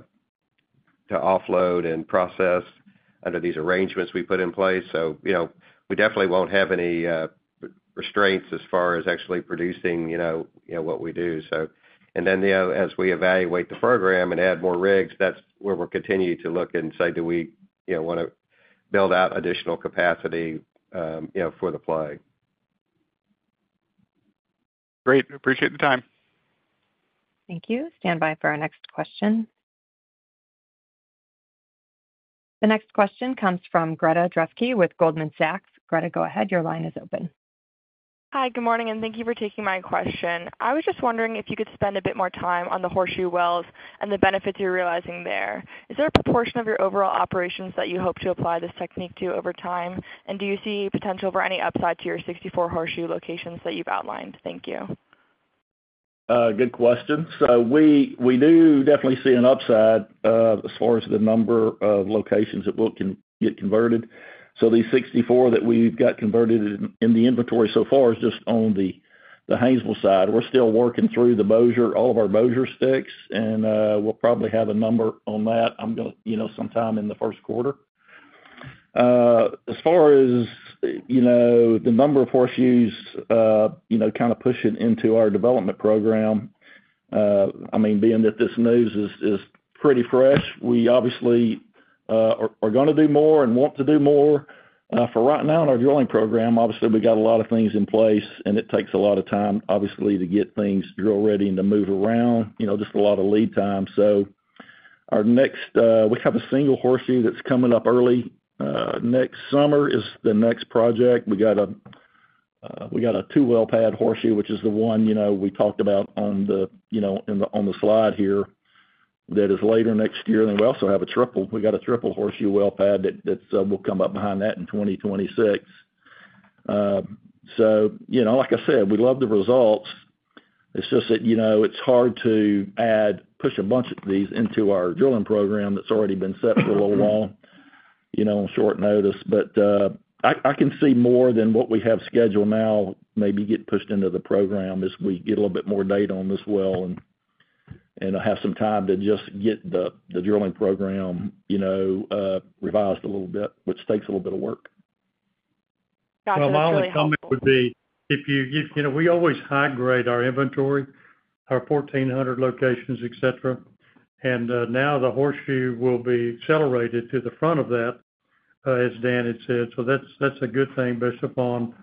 offload and process under these arrangements we put in place. So we definitely won't have any restraints as far as actually producing what we do. And then as we evaluate the program and add more rigs, that's where we'll continue to look and say, "Do we want to build out additional capacity for the play? Great. Appreciate the time. Thank you. Stand by for our next question. The next question comes from Greta Drefke with Goldman Sachs. Greta, go ahead. Your line is open. Hi, good morning, and thank you for taking my question. I was just wondering if you could spend a bit more time on the horseshoe wells and the benefits you're realizing there. Is there a proportion of your overall operations that you hope to apply this technique to over time, and do you see potential for any upside to your 64 horseshoe locations that you've outlined? Thank you. Good question. So we do definitely see an upside as far as the number of locations that can get converted. So these 64 that we've got converted in the inventory so far is just on the Haynesville side. We're still working through all of our Bossier sticks, and we'll probably have a number on that sometime in the first quarter. As far as the number of horseshoe laterals kind of pushing into our development program, I mean, being that this news is pretty fresh, we obviously are going to do more and want to do more. For right now, in our drilling program, obviously, we've got a lot of things in place, and it takes a lot of time, obviously, to get things drill-ready and to move around, just a lot of lead time. So, our next we have a single horseshoe that's coming up early next summer is the next project. We got a two-well pad horseshoe, which is the one we talked about on the slide here that is later next year. And then we also have a triple. We got a triple horseshoe well pad that will come up behind that in 2026. So like I said, we love the results. It's just that it's hard to push a bunch of these into our drilling program that's already been set for a little while on short notice. But I can see more than what we have scheduled now maybe get pushed into the program as we get a little bit more data on this well and have some time to just get the drilling program revised a little bit, which takes a little bit of work. Gotcha. My only comment would be you know we always high-grade our inventory, our 1,400 locations, etc. And now the horseshoe will be accelerated to the front of that, as Dan had said. So that's a good thing based upon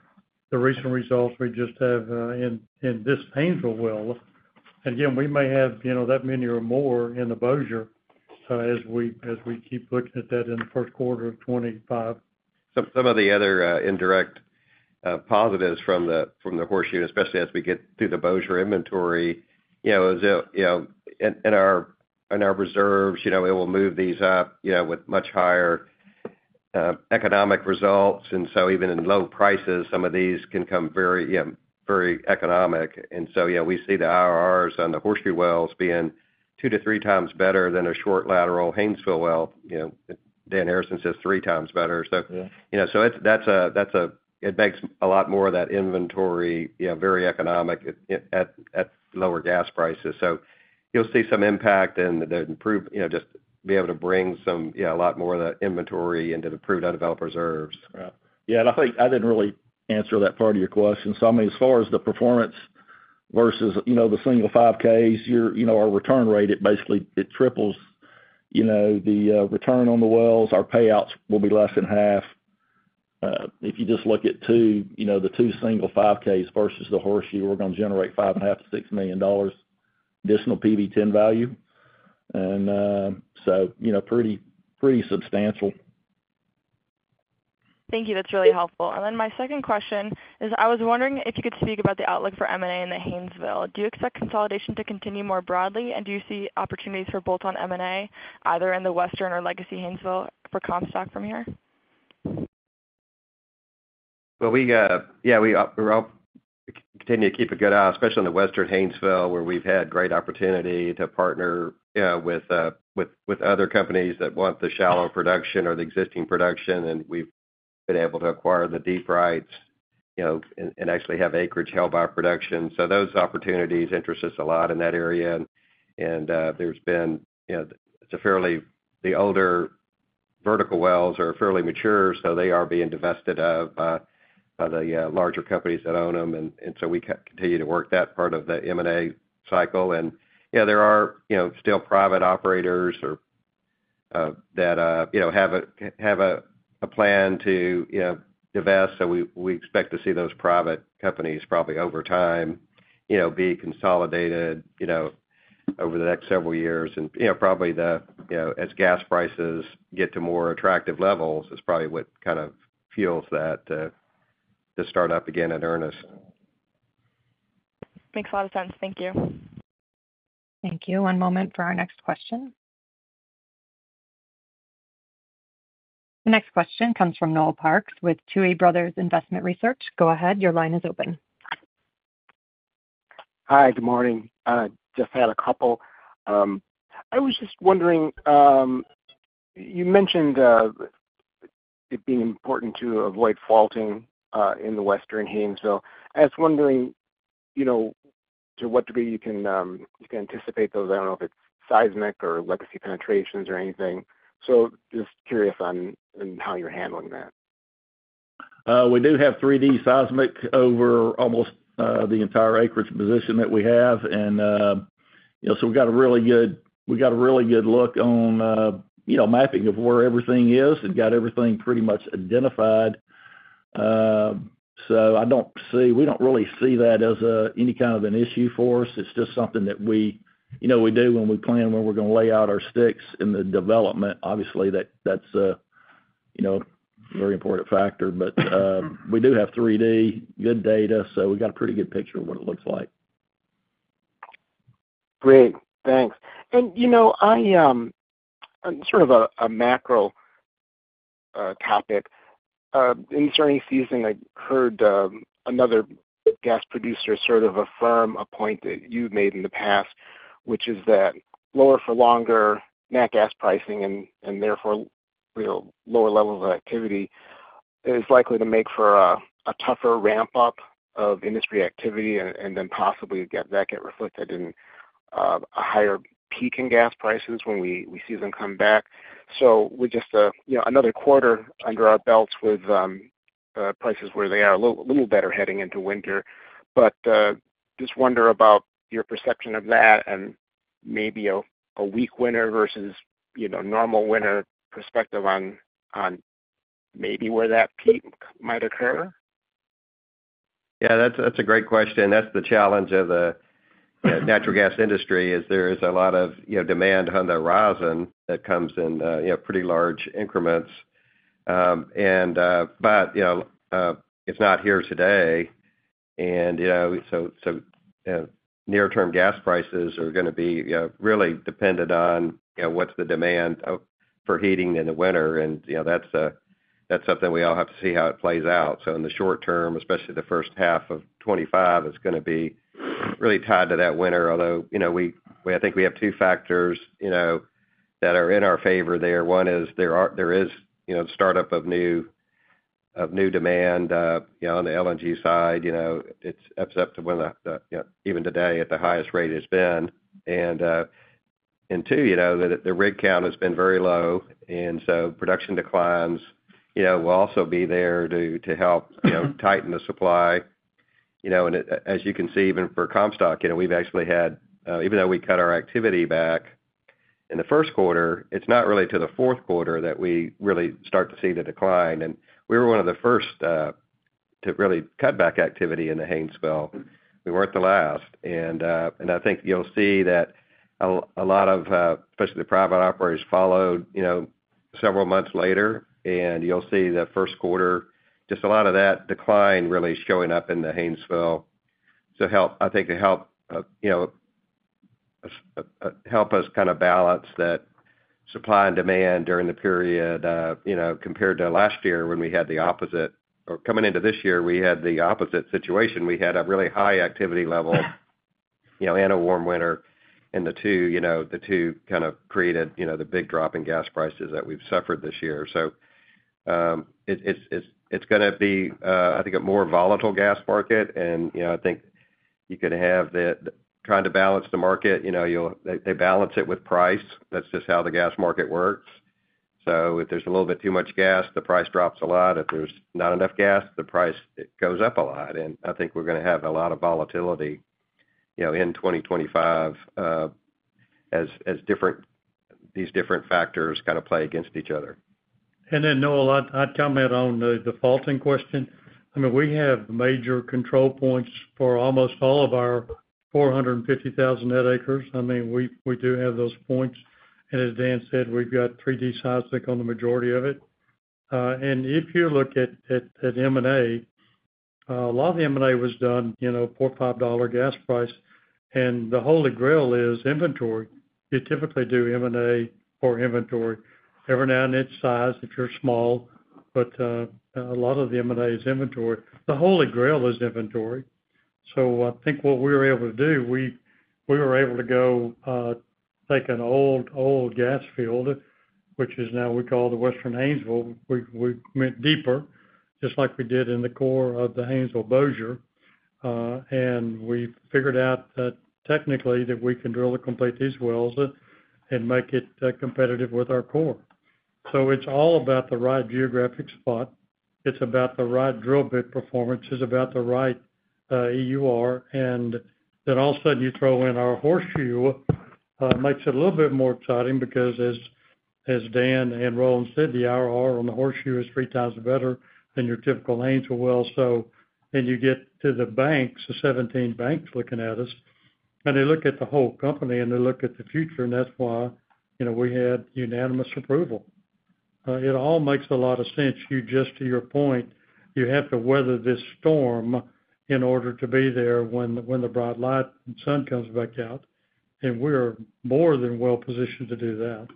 the recent results we just have in this Haynesville well. And again, we may have that many or more in the Bossier as we keep looking at that in the first quarter of 2025. Some of the other indirect positives from the horseshoe, especially as we get through the Bossier inventory, is in our reserves. It will move these up with much higher economic results. And so even in low prices, some of these can come very economic. And so we see the IRRs on the horseshoe wells being two to three times better than a short lateral Haynesville well. Dan Harrison says three times better. So that's it makes a lot more of that inventory very economic at lower gas prices. So you'll see some impact in just being able to bring a lot more of that inventory into the Prudent Develop Reserves. Yeah, and I think I didn't really answer that part of your question. So I mean, as far as the performance versus the single 5Ks, our return rate, it basically triples the return on the wells. Our payouts will be less than half. If you just look at the two single 5Ks versus the horseshoe, we're going to generate $5.5 million-$6 million additional PV-10 value, and so pretty substantial. Thank you. That's really helpful. And then my second question is I was wondering if you could speak about the outlook for M&A in the Haynesville. Do you expect consolidation to continue more broadly? And do you see opportunities for bolt-on M&A either in the Western or Legacy Haynesville for Comstock from here? Yeah, we continue to keep a good eye, especially in the Western Haynesville, where we've had great opportunity to partner with other companies that want the shallow production or the existing production. We've been able to acquire the deep rights and actually have acreage held by production. Those opportunities interest us a lot in that area. The older vertical wells are fairly mature, so they are being divested of by the larger companies that own them. We continue to work that part of the M&A cycle. Yeah, there are still private operators that have a plan to divest. We expect to see those private companies probably over time be consolidated over the next several years. Probably as gas prices get to more attractive levels, it's probably what kind of fuels that to start up again in earnest. Makes a lot of sense. Thank you. Thank you. One moment for our next question. The next question comes from Noel Parks with Tuohy Brothers Investment Research. Go ahead. Your line is open. Hi, good morning. I just had a couple. I was just wondering, you mentioned it being important to avoid faulting in the Western Haynesville. I was wondering to what degree you can anticipate those. I don't know if it's seismic or legacy penetrations or anything. So just curious on how you're handling that. We do have 3D seismic over almost the entire acreage position that we have, and so we've got a really good look on mapping of where everything is and got everything pretty much identified, so we don't really see that as any kind of an issue for us. It's just something that we do when we're going to lay out our sticks in the development. Obviously, that's a very important factor, but we do have good 3D data, so we've got a pretty good picture of what it looks like. Great. Thanks. And sort of a macro topic, in the starting season, I heard another gas producer sort of affirm a point that you've made in the past, which is that lower for longer natural gas pricing and therefore lower levels of activity is likely to make for a tougher ramp-up of industry activity and then possibly that get reflected in a higher peak in gas prices when we see them come back. So we're just another quarter under our belts with prices where they are a little better heading into winter. But just wonder about your perception of that and maybe a weak winter versus normal winter perspective on maybe where that peak might occur? Yeah, that's a great question. That's the challenge of the natural gas industry is there is a lot of demand on the horizon that comes in pretty large increments. And but it's not here today. And so near-term gas prices are going to be really dependent on what's the demand for heating in the winter. And that's something we all have to see how it plays out. So in the short term, especially the first half of 2025, it's going to be really tied to that winter, although I think we have two factors that are in our favor there. One is there is startup of new demand on the LNG side. It's up to even today at the highest rate it's been. And two, the rig count has been very low. And so production declines will also be there to help tighten the supply. And as you can see, even for Comstock, we've actually had, even though we cut our activity back in the first quarter, it's not really to the fourth quarter that we really start to see the decline. And we were one of the first to really cut back activity in the Haynesville. We weren't the last. And I think you'll see that a lot of, especially the private operators, followed several months later. And you'll see the first quarter, just a lot of that decline really showing up in the Haynesville. So I think to help us kind of balance that supply and demand during the period compared to last year when we had the opposite or coming into this year, we had the opposite situation. We had a really high activity level and a warm winter. And the two kind of created the big drop in gas prices that we've suffered this year. So it's going to be, I think, a more volatile gas market. And I think you can have the trying to balance the market. They balance it with price. That's just how the gas market works. So if there's a little bit too much gas, the price drops a lot. If there's not enough gas, the price goes up a lot. And I think we're going to have a lot of volatility in 2025 as these different factors kind of play against each other. And then, Noel, I'd comment on the faulting question. I mean, we have major control points for almost all of our 450,000 net acres. I mean, we do have those points. And as Dan said, we've got 3D seismic on the majority of it. And if you look at M&A, a lot of M&A was done for $5 gas price. And the Holy Grail is inventory. You typically do M&A for inventory every now and then size if you're small. But a lot of the M&A is inventory. The Holy Grail is inventory. So I think what we were able to do, we were able to go take an old, old gas field, which is now we call the Western Haynesville. We went deeper, just like we did in the core of the Haynesville Bossier. And we figured out technically that we can drill to complete these wells and make it competitive with our core. So it's all about the right geographic spot. It's about the right drill bit performance. It's about the right EUR. And then all of a sudden, you throw in our horseshoe, it makes it a little bit more exciting because as Dan and Roland said, the IRR on the horseshoe is three times better than your typical Haynesville well. So then you get to the banks, the 17 banks looking at us. And they look at the whole company and they look at the future. And that's why we had unanimous approval. It all makes a lot of sense. Just to your point, you have to weather this storm in order to be there when the bright light and sun comes back out. We're more than well positioned to do that.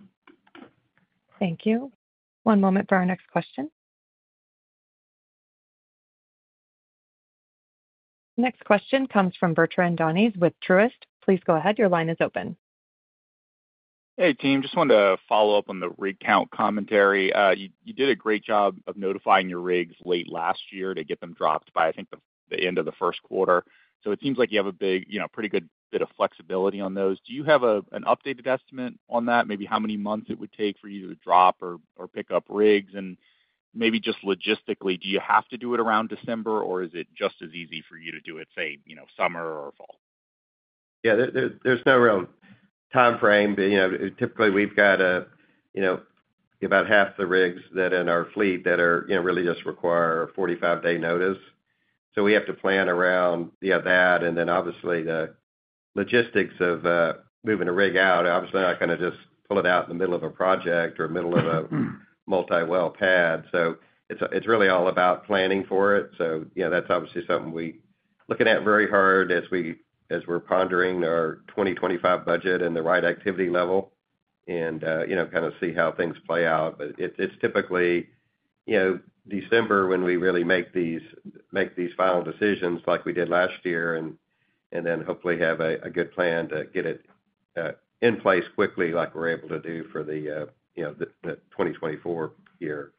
Thank you. One moment for our next question. Next question comes from Bertrand Donnes with Truist. Please go ahead. Your line is open. Hey, team. Just wanted to follow up on the rig count commentary. You did a great job of notifying your rigs late last year to get them dropped by, I think, the end of the first quarter. So it seems like you have a pretty good bit of flexibility on those. Do you have an updated estimate on that, maybe how many months it would take for you to drop or pick up rigs? And maybe just logistically, do you have to do it around December, or is it just as easy for you to do it, say, summer or fall? Yeah, there's no real time frame. Typically, we've got about half the rigs that are in our fleet that really just require a 45-day notice, so we have to plan around that, and then obviously, the logistics of moving a rig out, obviously, I kind of just pull it out in the middle of a project or middle of a multi-well pad, so it's really all about planning for it, so that's obviously something we're looking at very hard as we're pondering our 2025 budget and the right activity level and kind of see how things play out, but it's typically December when we really make these final decisions like we did last year and then hopefully have a good plan to get it in place quickly like we're able to do for the 2024 year.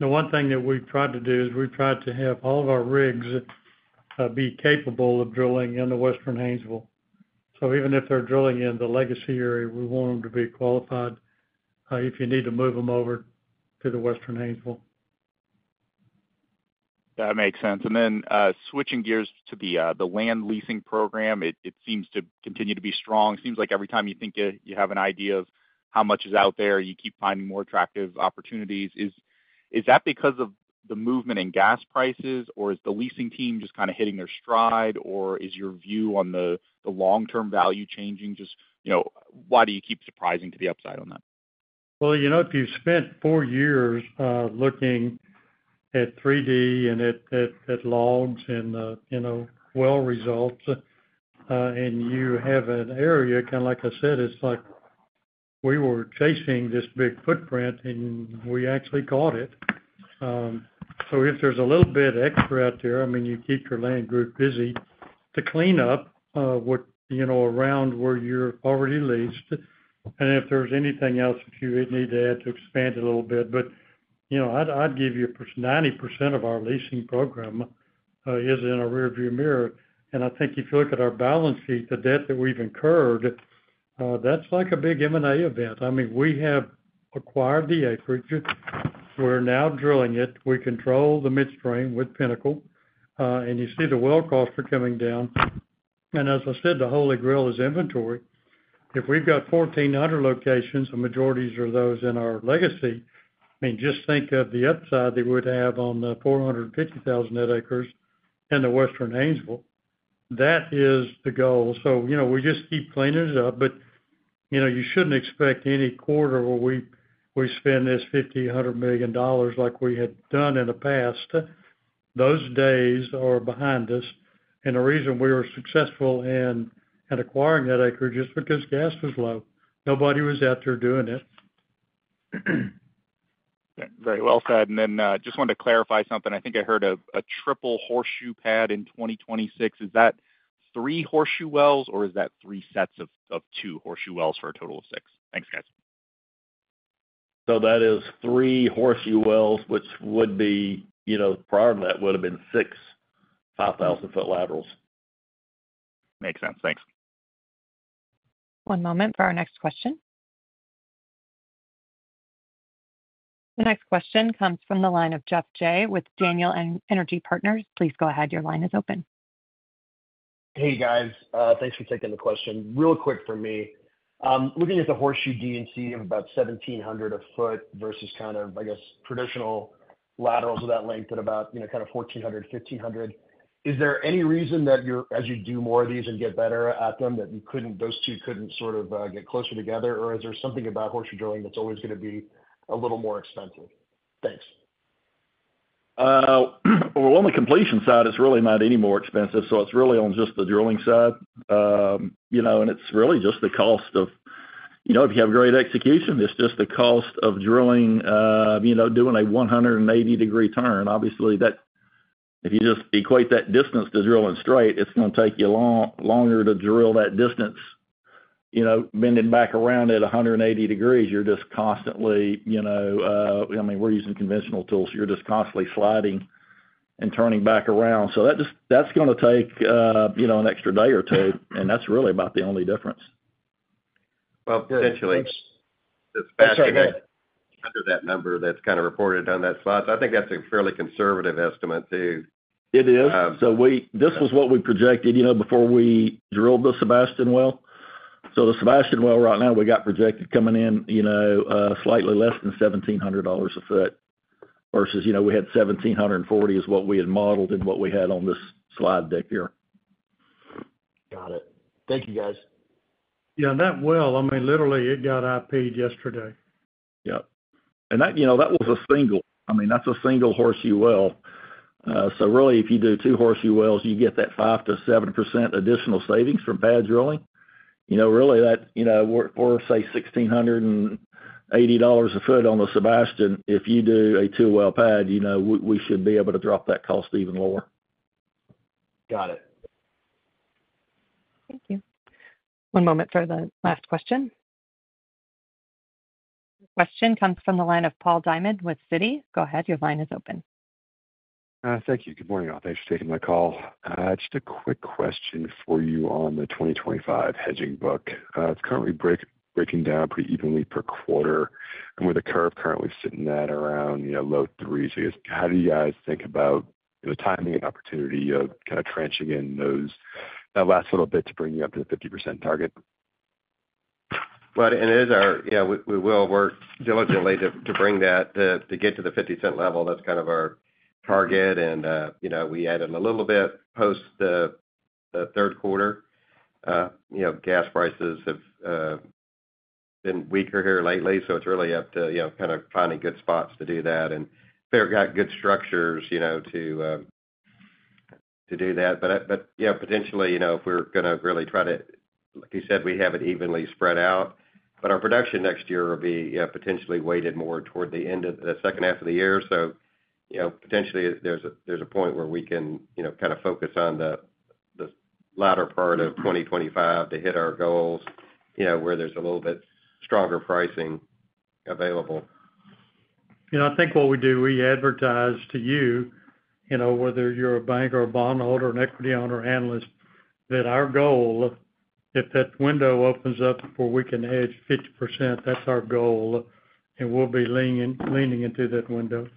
The one thing that we've tried to do is we've tried to have all of our rigs be capable of drilling in the Western Haynesville. So even if they're drilling in the Legacy area, we want them to be qualified if you need to move them over to the Western Haynesville. That makes sense. And then switching gears to the land leasing program, it seems to continue to be strong. It seems like every time you think you have an idea of how much is out there, you keep finding more attractive opportunities. Is that because of the movement in gas prices, or is the leasing team just kind of hitting their stride, or is your view on the long-term value changing? Just why do you keep surprising to the upside on that? If you've spent four years looking at 3D and at logs and well results, and you have an area kind of like I said, it's like we were chasing this big footprint, and we actually caught it. So if there's a little bit extra out there, I mean, you keep your land group busy to clean up around where you're already leased. And if there's anything else that you need to add to expand a little bit. But I'd give you 90% of our leasing program is in a rearview mirror. And I think if you look at our balance sheet, the debt that we've incurred, that's like a big M&A event. I mean, we have acquired the acreage. We're now drilling it. We control the midstream with Pinnacle. And you see the well costs are coming down. And as I said, the Holy Grail is inventory. If we've got 1,400 locations, the majority are those in our legacy. I mean, just think of the upside that we would have on the 450,000 net acres in the Western Haynesville. That is the goal, so we just keep cleaning it up, but you shouldn't expect any quarter where we spend $50-100 million like we had done in the past. Those days are behind us, and the reason we were successful in acquiring that acreage is because gas was low. Nobody was out there doing it. Very well said. And then just wanted to clarify something. I think I heard a triple horseshoe pad in 2026. Is that three horseshoe wells, or is that three sets of two horseshoe wells for a total of six? Thanks, guys. So that is three horseshoe wells, which would be prior to that, would have been six 5,000-foot laterals. Makes sense. Thanks. One moment for our next question. The next question comes from the line of Geoff Jay with Daniel Energy Partners. Please go ahead. Your line is open. Hey, guys. Thanks for taking the question. Real quick for me. Looking at the horseshoe D and C of about $1,700 a foot versus kind of, I guess, traditional laterals of that length at about kind of $1,400-$1,500. Is there any reason that as you do more of these and get better at them that those two couldn't sort of get closer together, or is there something about horseshoe drilling that's always going to be a little more expensive? Thanks. On the completion side, it's really not any more expensive. It's really on just the drilling side. It's really just the cost of if you have great execution, it's just the cost of drilling, doing a 180-degree turn. Obviously, if you just equate that distance to drilling straight, it's going to take you longer to drill that distance. Bending back around at 180 degrees, you're just constantly I mean, we're using conventional tools. You're just constantly sliding and turning back around. That's going to take an extra day or two. That's really about the only difference, potentially. That's right. Under that number that's kind of reported on that slot so I think that's a fairly conservative estimate too. It is. So this was what we projected before we drilled the Sebastian well. So the Sebastian well right now, we got projected coming in slightly less than $1,700 a foot versus we had $1,740, is what we had modeled and what we had on this slide deck here. Got it. Thank you, guys. Yeah, that well, I mean, literally, it got IP'd yesterday. Yep, and that was a single—I mean, that's a single horseshoe well. So really, if you do two horseshoe wells, you get that 5%-7% additional savings from pad drilling. Really, for, say, $1,680 a foot on the Sebastian, if you do a two-well pad, we should be able to drop that cost even lower. Got it. Thank you. One moment for the last question. The question comes from the line of Paul Diamond with Citi. Go ahead. Your line is open. Thank you. Good morning, all. Thanks for taking my call. Just a quick question for you on the 2025 hedging book. It's currently breaking down pretty evenly per quarter, and with the curve currently sitting at around low threes, how do you guys think about the timing and opportunity of kind of trenching in that last little bit to bring you up to the 50% target? We will work diligently to bring that to get to the $0.50 level. That's kind of our target. And we added a little bit post the third quarter. Gas prices have been weaker here lately. So it's really up to kind of finding good spots to do that. And we've got good structures to do that. But potentially, if we're going to really try to, like you said, we have it evenly spread out. But our production next year will be potentially weighted more toward the second half of the year. So potentially, there's a point where we can kind of focus on the latter part of 2025 to hit our goals where there's a little bit stronger pricing available. I think what we do, we advertise to you, whether you're a bank or a bondholder or an equity owner or analyst, that our goal, if that window opens up before we can hedge 50%, that's our goal, and we'll be leaning into that window,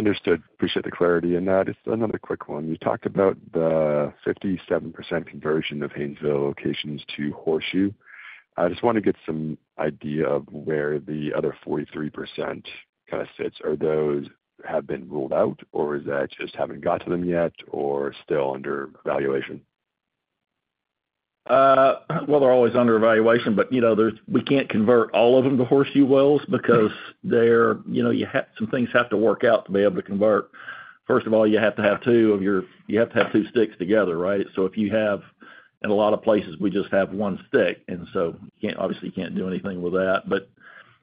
so. Understood. Appreciate the clarity in that. Just another quick one. You talked about the 57% conversion of Haynesville locations to horseshoe. I just want to get some idea of where the other 43% kind of sits. Are those have been ruled out, or is that just haven't got to them yet, or still under evaluation? They're always under evaluation. But we can't convert all of them to horseshoe wells because some things have to work out to be able to convert. First of all, you have to have two sticks together, right? So, if you have, in a lot of places, we just have one stick. And so obviously, you can't do anything with that. But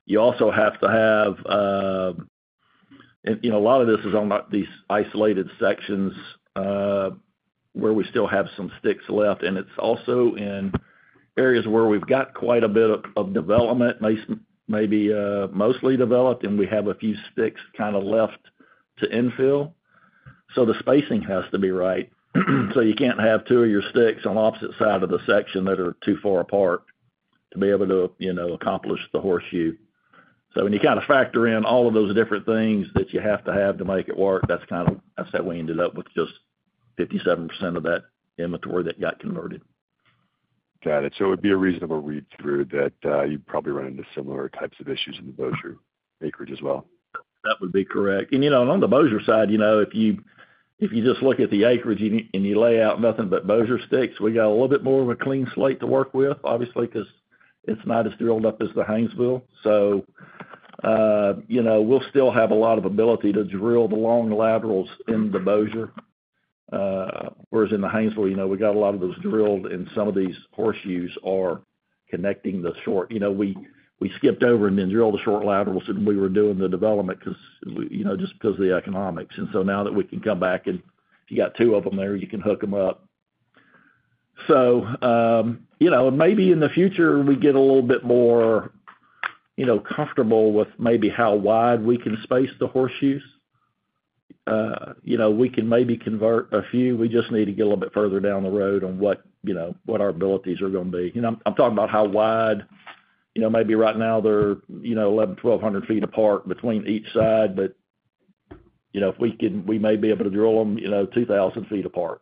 you also have to have a lot. A lot of this is on these isolated sections where we still have some sticks left. And it's also in areas where we've got quite a bit of development, maybe mostly developed, and we have a few sticks kind of left to infill. So the spacing has to be right. You can't have two of your sticks on the opposite side of the section that are too far apart to be able to accomplish the horseshoe. When you kind of factor in all of those different things that you have to have to make it work, that's how we ended up with just 57% of that inventory that got converted. Got it. So it would be a reasonable read-through that you'd probably run into similar types of issues in the Bossier acreage as well. That would be correct. And on the Bossier side, if you just look at the acreage and you lay out nothing but Bossier sticks, we got a little bit more of a clean slate to work with, obviously, because it's not as drilled up as the Haynesville. So we'll still have a lot of ability to drill the long laterals in the Bossier. Whereas in the Haynesville, we got a lot of those drilled, and some of these Horseshoes are connecting the short. We skipped over and then drilled the short laterals when we were doing the development just because of the economics. And so now that we can come back and you got two of them there, you can hook them up. So maybe in the future, we get a little bit more comfortable with maybe how wide we can space the Horseshoes. We can maybe convert a few. We just need to get a little bit further down the road on what our abilities are going to be. I'm talking about how wide. Maybe right now, they're 1,100, 1,200 feet apart between each side. But if we may be able to drill them 2,000 feet apart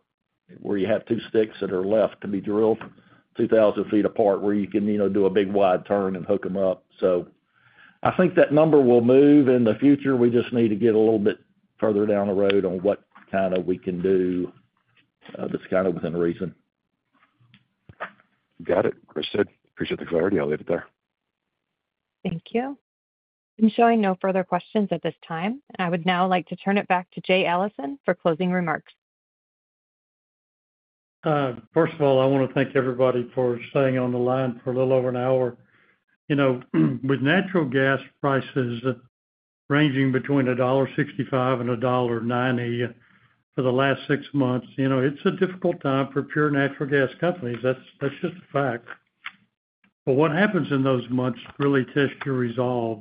where you have two sticks that are left to be drilled, 2,000 feet apart where you can do a big wide turn and hook them up. So I think that number will move in the future. We just need to get a little bit further down the road on what kind of we can do that's kind of within reason. Got it. Understood. Appreciate the clarity. I'll leave it there. Thank you. I'm showing no further questions at this time. And I would now like to turn it back to Jay Allison for closing remarks. First of all, I want to thank everybody for staying on the line for a little over an hour. With natural gas prices ranging between $1.65 and $1.90 for the last six months, it's a difficult time for pure natural gas companies. That's just a fact. But what happens in those months really tests your resolve.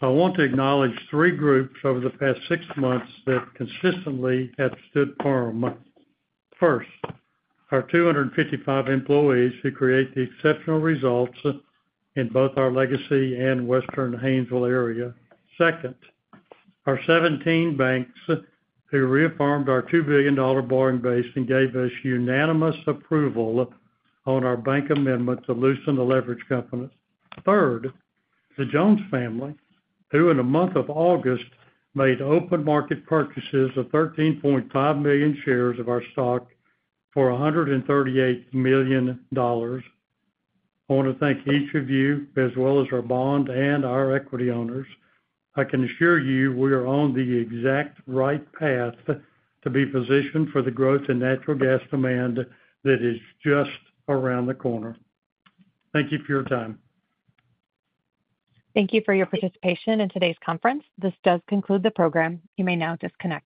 So I want to acknowledge three groups over the past six months that consistently have stood firm. First, our 255 employees who create the exceptional results in both our Legacy and Western Haynesville area. Second, our 17 banks who reaffirmed our $2 billion borrowing base and gave us unanimous approval on our bank amendment to loosen the leverage component. Third, the Jones family who, in the month of August, made open market purchases of 13.5 million shares of our stock for $138 million. I want to thank each of you, as well as our bond and our equity owners. I can assure you we are on the exact right path to be positioned for the growth in natural gas demand that is just around the corner. Thank you for your time. Thank you for your participation in today's conference. This does conclude the program. You may now disconnect.